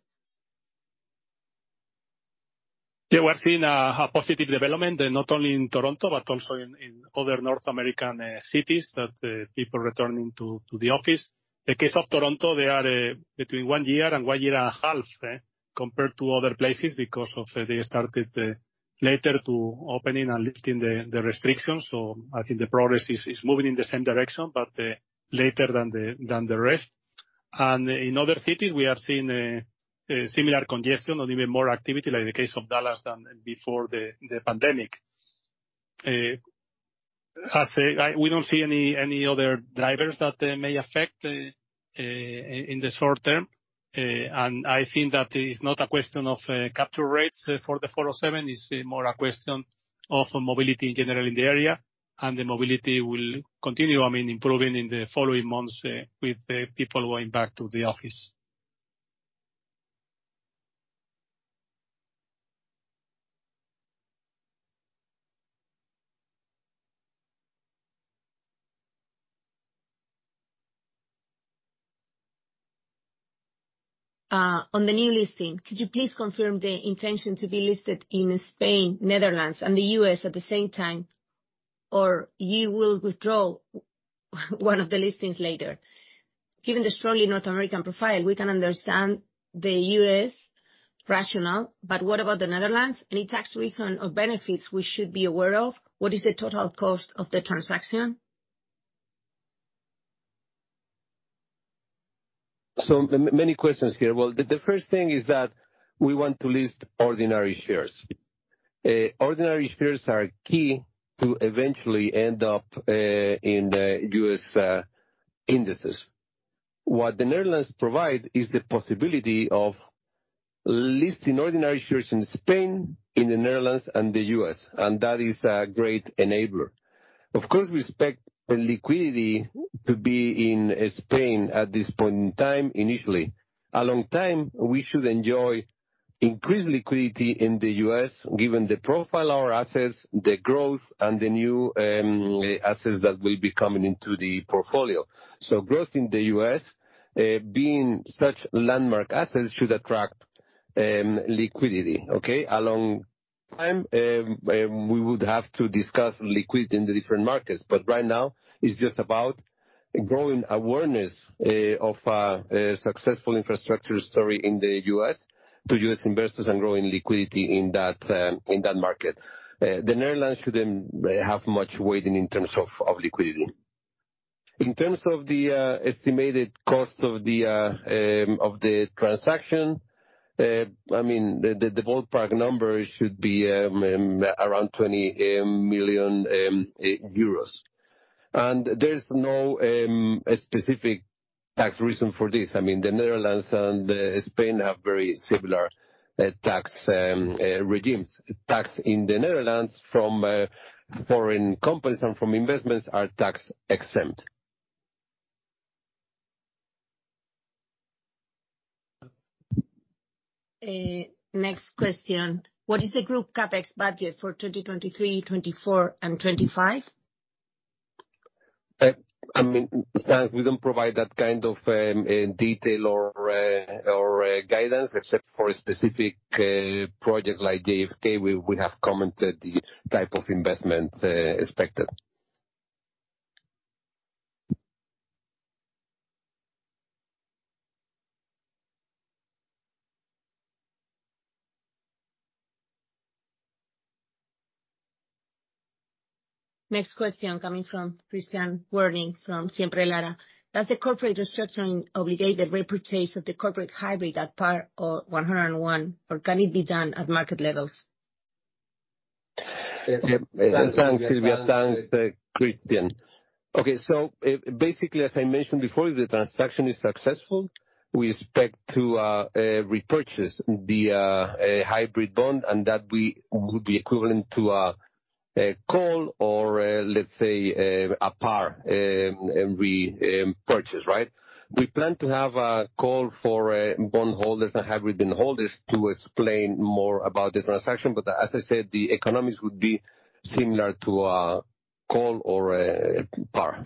Yeah. We are seeing a positive development, not only in Toronto, but also in other North American cities, that people returning to the office. The case of Toronto, they are, between one year and one year and a half, compared to other places because of, they started later to opening and lifting the restrictions. I think the progress is moving in the same direction, but, later than the, than the rest. In other cities we have seen, similar congestion or even more activity, like in the case of Dallas, than before the pandemic. As, We don't see any other drivers that, may affect, in the short term. I think that it's not a question of capture rates for the 407 ETR. It's more a question of mobility in general in the area. The mobility will continue, I mean, improving in the following months, with the people going back to the office. On the new listing, could you please confirm the intention to be listed in Spain, Netherlands, and the U.S. At the same time, or you will withdraw one of the listings later? Given the strongly North American profile, we can understand the U.S. Rationale, but what about the Netherlands? Any tax reason or benefits we should be aware of? What is the total cost of the transaction? Many questions here. The first thing is that we want to list ordinary shares. Ordinary shares are key to eventually end up in the U.S. indices. What the Netherlands provide is the possibility of listing ordinary shares in Spain, in the Netherlands, and the U.S., and that is a great enabler. Of course, we expect the liquidity to be in Spain at this point in time, initially. Along time, we should enjoy increased liquidity in the U.S. Given the profile our assets, the growth, and the new assets that will be coming into the portfolio. Growth in the U.S., being such landmark assets should attract liquidity. Okay? Long time, we would have to discuss liquidity in the different markets, but right now it's just about growing awareness of a successful infrastructure story in the U.S. to U.S. investors and growing liquidity in that market. The Netherlands shouldn't have much weighting in terms of liquidity. In terms of the estimated cost of the transaction, the ballpark number should be around 20 million euros. There's no specific tax reason for this. I mean, the Netherlands and Spain have very similar tax regimes. Tax in the Netherlands from foreign companies and from investments are tax-exempt. Next question. What is the group CapEx budget for 2023, 2024, and 2025? I mean, we don't provide that kind of detail or guidance except for specific projects like JFK, we have commented the type of investment expected. Next question coming from Christian Porwoll from J.P. Morgan Cazenove. Does the corporate restructuring obligated repurchase of the corporate hybrid at par or 101, or can it be done at market levels? Yeah. Thanks, Silvia. Thanks, Christian. Okay. Basically, as I mentioned before, if the transaction is successful, we expect to repurchase the hybrid bond and that we would be equivalent to a call or, let's say, a par repurchase, right. We plan to have a call for bondholders and hybrid bondholders to explain more about the transaction. As I said, the economics would be similar to a call or a par.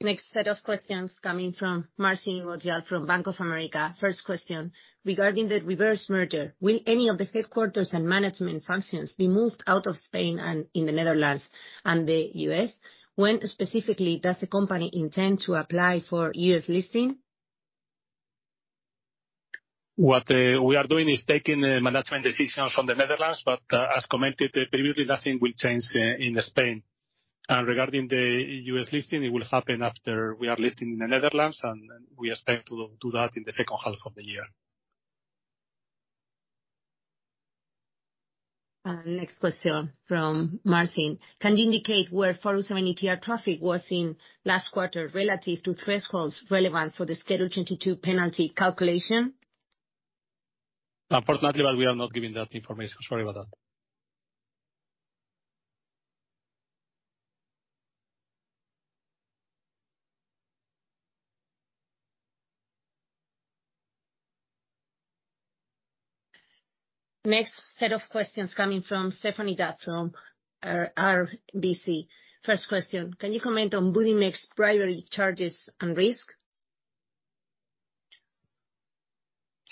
Next set of questions coming from Marcin Wojtal from Bank of America. First question: Regarding the reverse merger, will any of the headquarters and management functions be moved out of Spain and in the Netherlands and the U.S.? When specifically does the company intend to apply for U.S. listing? What we are doing is taking the management decisions from the Netherlands, but as commented previously, nothing will change in Spain. Regarding the U.S. listing, it will happen after we are listed in the Netherlands, and we expect to do that in the second half of the year. Next question from Marcin. Can you indicate where 407 ETR traffic was in last quarter relative to thresholds relevant for the Schedule 2022 penalty calculation? Unfortunately, we are not giving that information. Sorry about that. Next set of questions coming from Stéphanie D'Ath from RBC. First question: Can you comment on Budimex bribery charges and risk?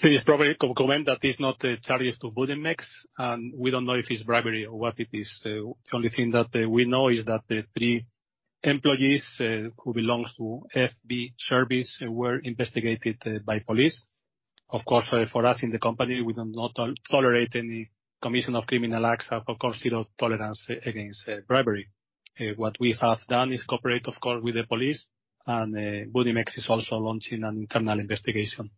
It's probably comment that is not charges to Budimex, and we don't know if it's bribery or what it is. The only thing that we know is that the three employees who belongs to FB Serwis were investigated by police. Of course, for us in the company, we do not tolerate any commission of criminal acts. Have a zero tolerance against bribery. What we have done is cooperate, of course, with the police, and Budimex is also launching an internal investigation.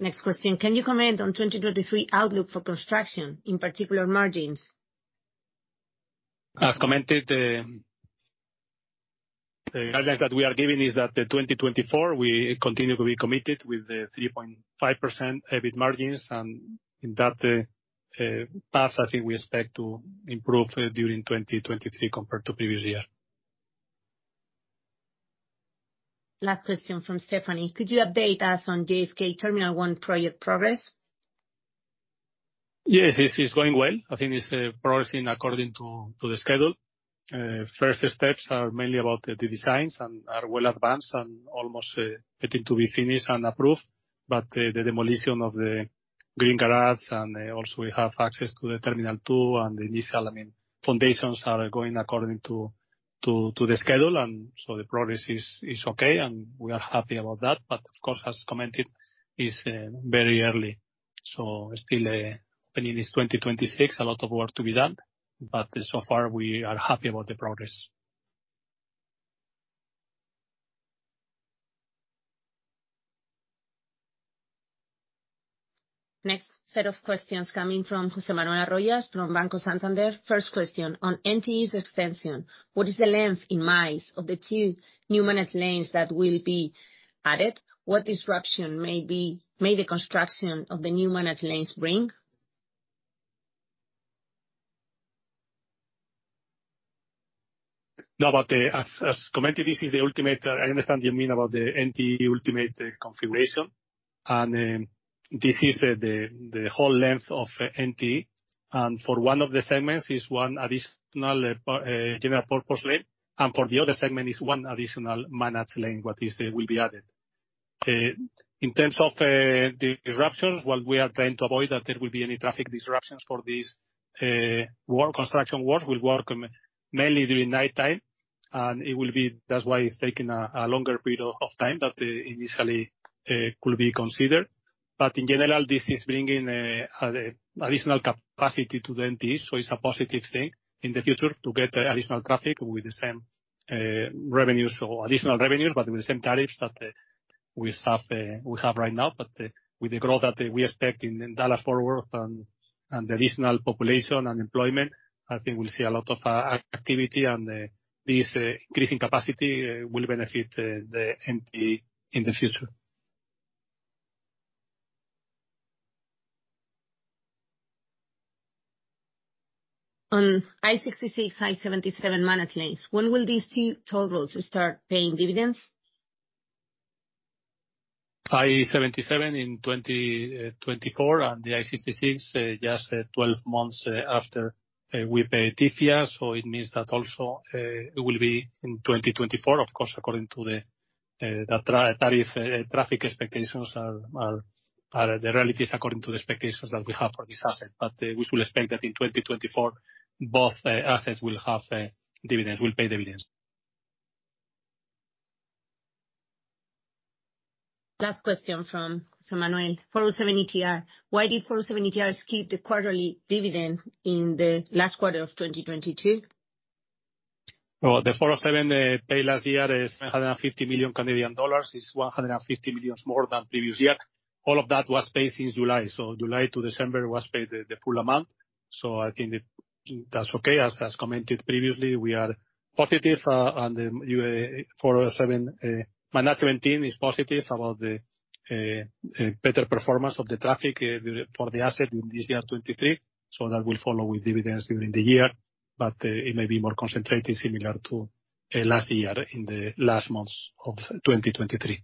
Next question: Can you comment on 2023 outlook for construction, in particular margins? As commented, the guidelines that we are giving is that 2024, we continue to be committed with the 3.5% EBIT margins. In that path, I think we expect to improve during 2023 compared to previous year. Last question from Stéphanie: Could you update us on JFK Terminal One project progress? Yes, this is going well. I think it's progressing according to the schedule. First steps are mainly about the designs and are well advanced and almost getting to be finished and approved. The demolition of the Green Garage and also we have access to the Terminal Two and the initial, I mean, foundations are going according to the schedule. The progress is okay, and we are happy about that. Of course, as commented, it's very early, so still opening is 2026. A lot of work to be done. So far we are happy about the progress. Next set of questions coming from José Manuel Arroyas from Banco Santander. First question: On NTE's extension, what is the length in miles of the two new Managed Lanes that will be added? What disruption may the construction of the new Managed Lanes bring? No, as commented, this is the ultimate, I understand you mean about the NTE ultimate, configuration. This is the whole length of NTE. For one of the segments, it's one additional general purpose lane, and for the other segment, it's one additional managed lane what is will be added. In terms of the disruptions, well, we are trying to avoid that there will be any traffic disruptions for this work. Construction work will work mainly during nighttime, and it will be. That's why it's taking a longer period of time than initially could be considered. In general, this is bringing additional capacity to the NTE, so it's a positive thing in the future to get additional traffic with the same revenue. Additional revenues, but with the same tariffs that we have right now. With the growth that we expect in Dallas-Fort Worth and the additional population and employment, I think we'll see a lot of activity. This increasing capacity will benefit the NTE in the future. On I-66/I-77 Managed Lanes, when will these two toll roads start paying dividends? I-77 in 2024, and the I-66, just 12 months after we pay TIFIA. It means that also, it will be in 2024, of course, according to the traffic expectations are the realities according to the expectations that we have for this asset. We should expect that in 2024, both assets will have dividends, will pay dividends. Last question from José Manuel. 407 ETR: Why did 407 ETR skip the quarterly dividend in the last quarter of 2022? The 407 paid last year 750 million Canadian dollars, is 150 million more than previous year. All of that was paid since July. July to December was paid the full amount. I think that's okay. As commented previously, we are positive on the 407. Management team is positive about the better performance of the traffic for the asset in this year, 2023. That will follow with dividends during the year. It may be more concentrated, similar to last year in the last months of 2023.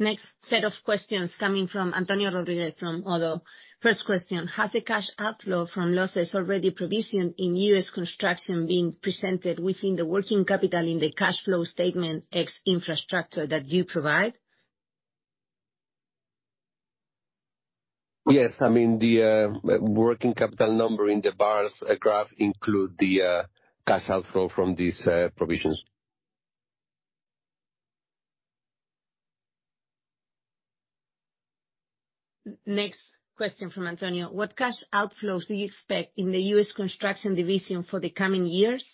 Next set of questions coming from Antonio Rodríguez from Oddo. First question: Has the cash outflow from losses already provisioned in U.S. construction been presented within the working capital in the cash flow statement ex infrastructure that you provide? Yes. I mean, the working capital number in the bars graph include the cash outflow from these provisions. Next question from Antonio: What cash outflows do you expect in the U.S. construction division for the coming years?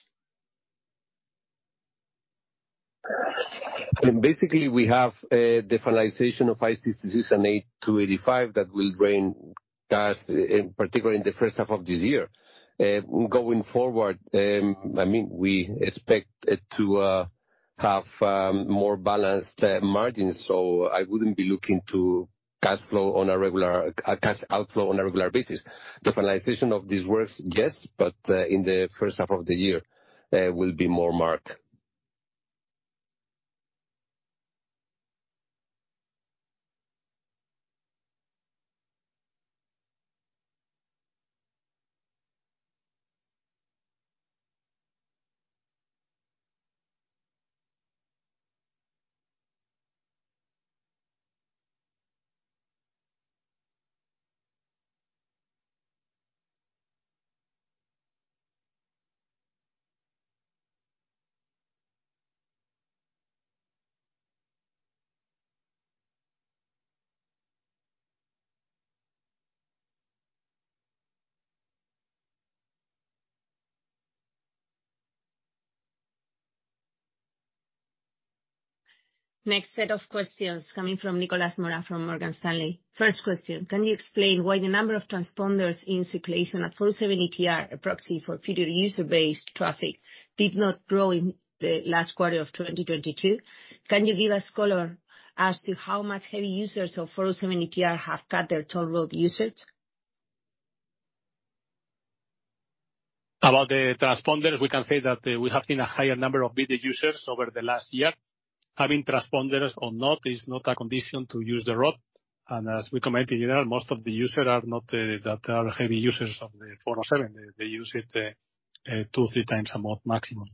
I mean, basically, we have the finalization of I-66 and I-285 that will drain cash in particular in the first half of this year. Going forward, I mean, we expect it to have more balanced margins, so I wouldn't be looking to cash flow on a regular cash outflow on a regular basis. The finalization of these works, yes, but in the first half of the year will be more marked. Next set of questions coming from Nicolas Mora from Morgan Stanley. First question, can you explain why the number of transponders in circulation at 407 ETR, a proxy for future user-based traffic, did not grow in the last quarter of 2022? Can you give us color as to how much heavy users of 407 ETR have cut their toll road usage? About the transponders, we can say that we have seen a higher number of video users over the last year. Having transponders or not is not a condition to use the road. As we commented earlier, most of the users are not that are heavy users of the 407. They use it two, three times a month maximum.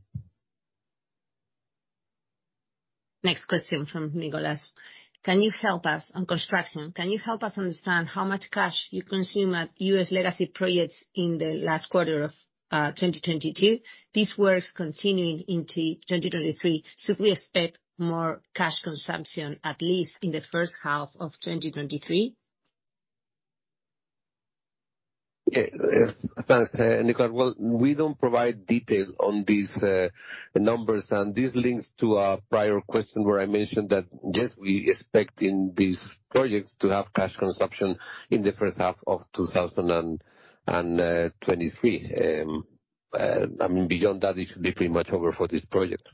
Next question from Nicolas. Can you help us on construction? Can you help us understand how much cash you consume at U.S. legacy projects in the last quarter of 2022? These works continuing into 2023, should we expect more cash consumption, at least in the first half of 2023? Yeah. Nicolas, well, we don't provide details on these, numbers. This links to a prior question where I mentioned that, yes, we expect in these projects to have cash consumption in the first half of 2023. I mean, beyond that, it should be pretty much over for this project.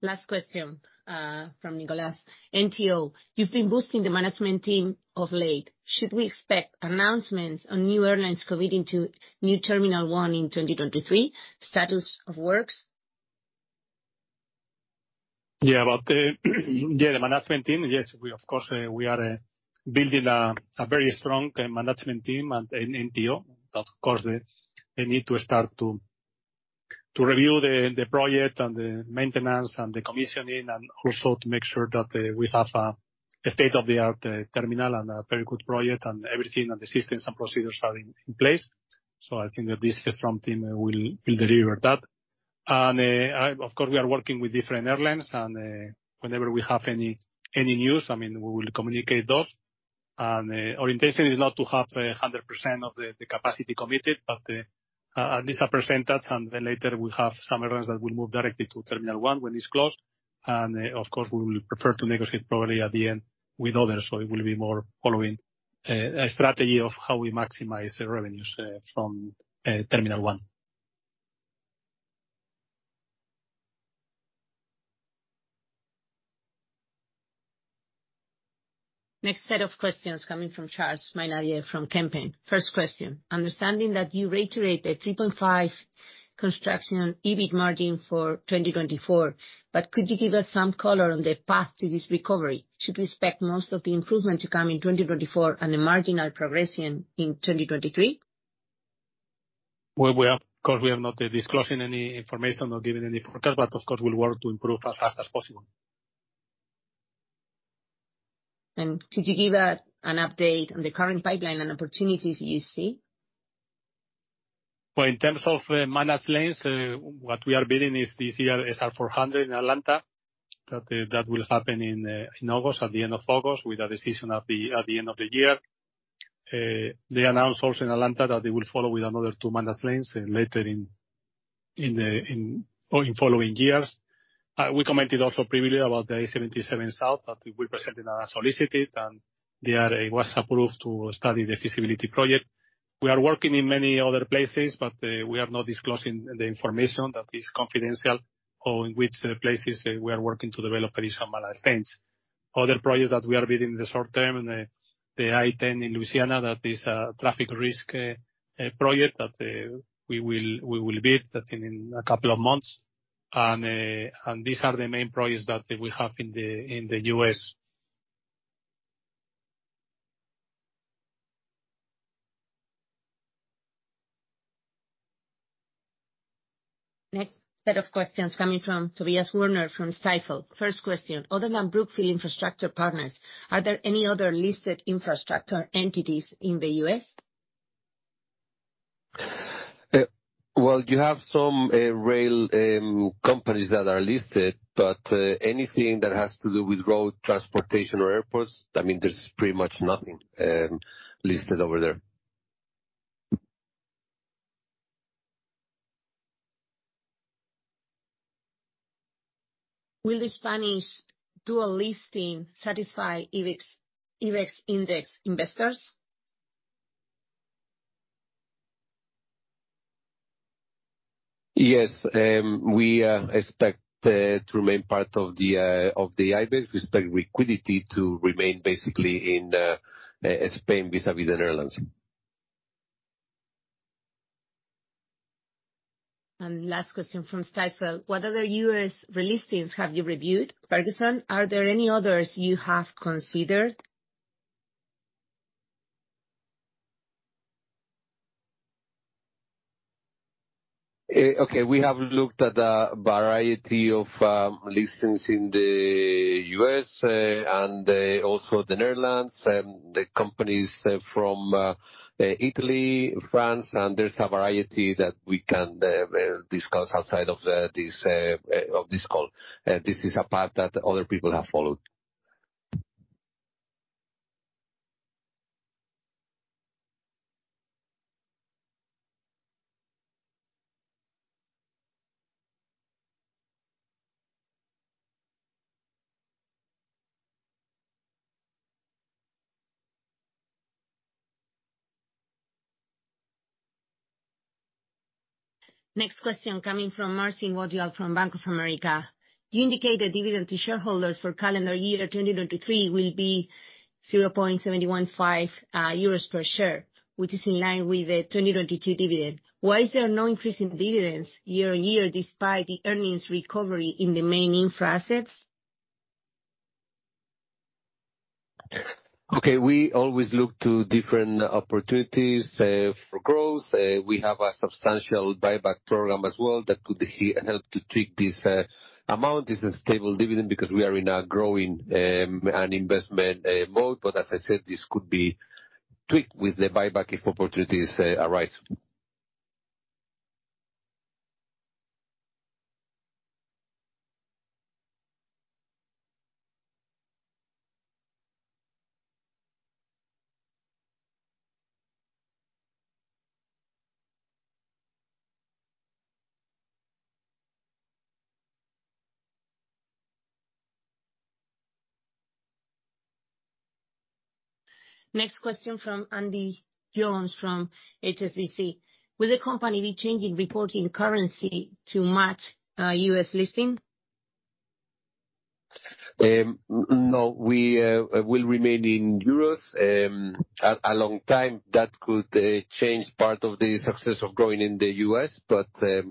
Last question from Nicolas. NTO, you've been boosting the management team of late. Should we expect announcements on new airlines committing to New Terminal One in 2023? Status of works? Yeah. About the management team. Yes, we of course, we are building a very strong management team at, in NTO. Of course, they need to start to review the project and the maintenance and the commissioning and also to make sure that we have a state-of-the-art terminal and a very good project and everything and the systems and procedures are in place. I think that this strong team will deliver that. Of course, we are working with different airlines and whenever we have any news, I mean, we will communicate those. Our intention is not to have a 100% of the capacity committed, but at least a percentage, and then later we have some airlines that will move directly to Terminal One when it's closed. Of course, we will prefer to negotiate probably at the end with others, so it will be more following a strategy of how we maximize the revenues from terminal one. Next set of questions coming from [Charles de Milly] from Kempen. First question, understanding that you reiterate the 3.5% construction on EBIT margin for 2024, could you give us some color on the path to this recovery? Should we expect most of the improvement to come in 2024 and a marginal progression in 2023? Well, of course, we are not disclosing any information or giving any forecast, but of course, we'll work to improve as fast as possible. Could you give an update on the current pipeline and opportunities you see? Well, in terms of Managed Lanes, what we are bidding is this year SR 400 in Atlanta. That, that will happen in August, at the end of August, with a decision at the end of the year. They announced also in Atlanta that they will follow with another two Managed Lanes later in, or in following years. We commented also previously about the I-77 South that we presented a solicited, it was approved to study the feasibility project. We are working in many other places, but we are not disclosing the information that is confidential or in which places we are working to develop additional Managed Lanes. Other projects that we are bidding in the short term, the I-10 in Louisiana, that is a traffic risk project that we will bid that in a couple of months. These are the main projects that we have in the U.S. Next set of questions coming from Tobias Woerner from Stifel. First question, other than Brookfield Infrastructure Partners, are there any other listed infrastructure entities in the U.S.? Well, you have some rail companies that are listed, but anything that has to do with road transportation or airports, I mean, there's pretty much nothing listed over there. Will the Spanish do a listing satisfy IBEX index investors? Yes. We expect to remain part of the IBEX. We expect liquidity to remain basically in Spain vis-à-vis the Netherlands. Last question from Stifel. What other U.S. relistings have you reviewed, Ferguson? Are there any others you have considered? Okay, we have looked at a variety of listings in the U.S. and also the Netherlands, the companies from Italy, France, and there's a variety that we can discuss outside of this call. This is a path that other people have followed. Next question coming from Marcin Wojtal from Bank of America. You indicate the dividend to shareholders for calendar year 2023 will be 0.715 euros per share, which is in line with the 2022 dividend. Why is there no increase in dividends year-on-year despite the earnings recovery in the main infra assets? We always look to different opportunities for growth. We have a substantial buyback program as well that could help to tweak this amount. This is a stable dividend because we are in a growing an investment mode. As I said, this could be tweaked with the buyback if opportunities arise. Next question from Andy Jones from HSBC. Will the company be changing reporting currency to match, U.S. listing? No, we will remain in euros a long time. That could change part of the success of growing in the U.S.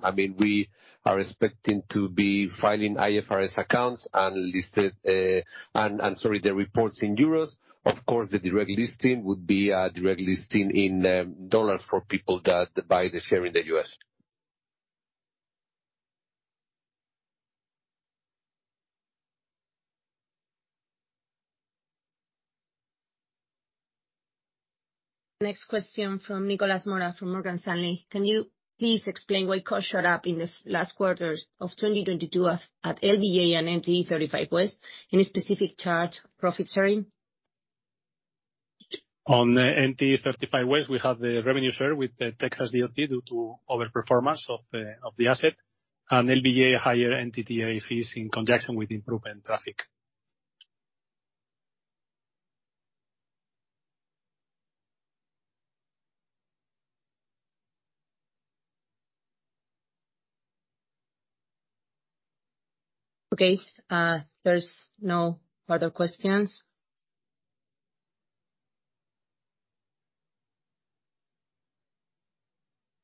I mean, we are expecting to be filing IFRS accounts and listed, sorry, the reports in euros. Of course, the direct listing would be a direct listing in dollars for people that buy the share in the U.S. Question from Nicolas Mora, from Morgan Stanley. Can you please explain why costs shot up in the last quarters of 2022 at LBJ and NTE 35W? Any specific charge profit sharing? On NTE 35W, we have the revenue share with the TxDOT due to overperformance of the asset, and LBJ Express higher NTTA fees in conjunction with improvement traffic. Okay, there's no further questions.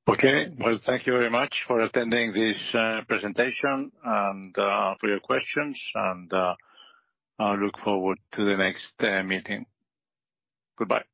Okay. Well, thank you very much for attending this presentation and for your questions, and I look forward to the next meeting. Goodbye.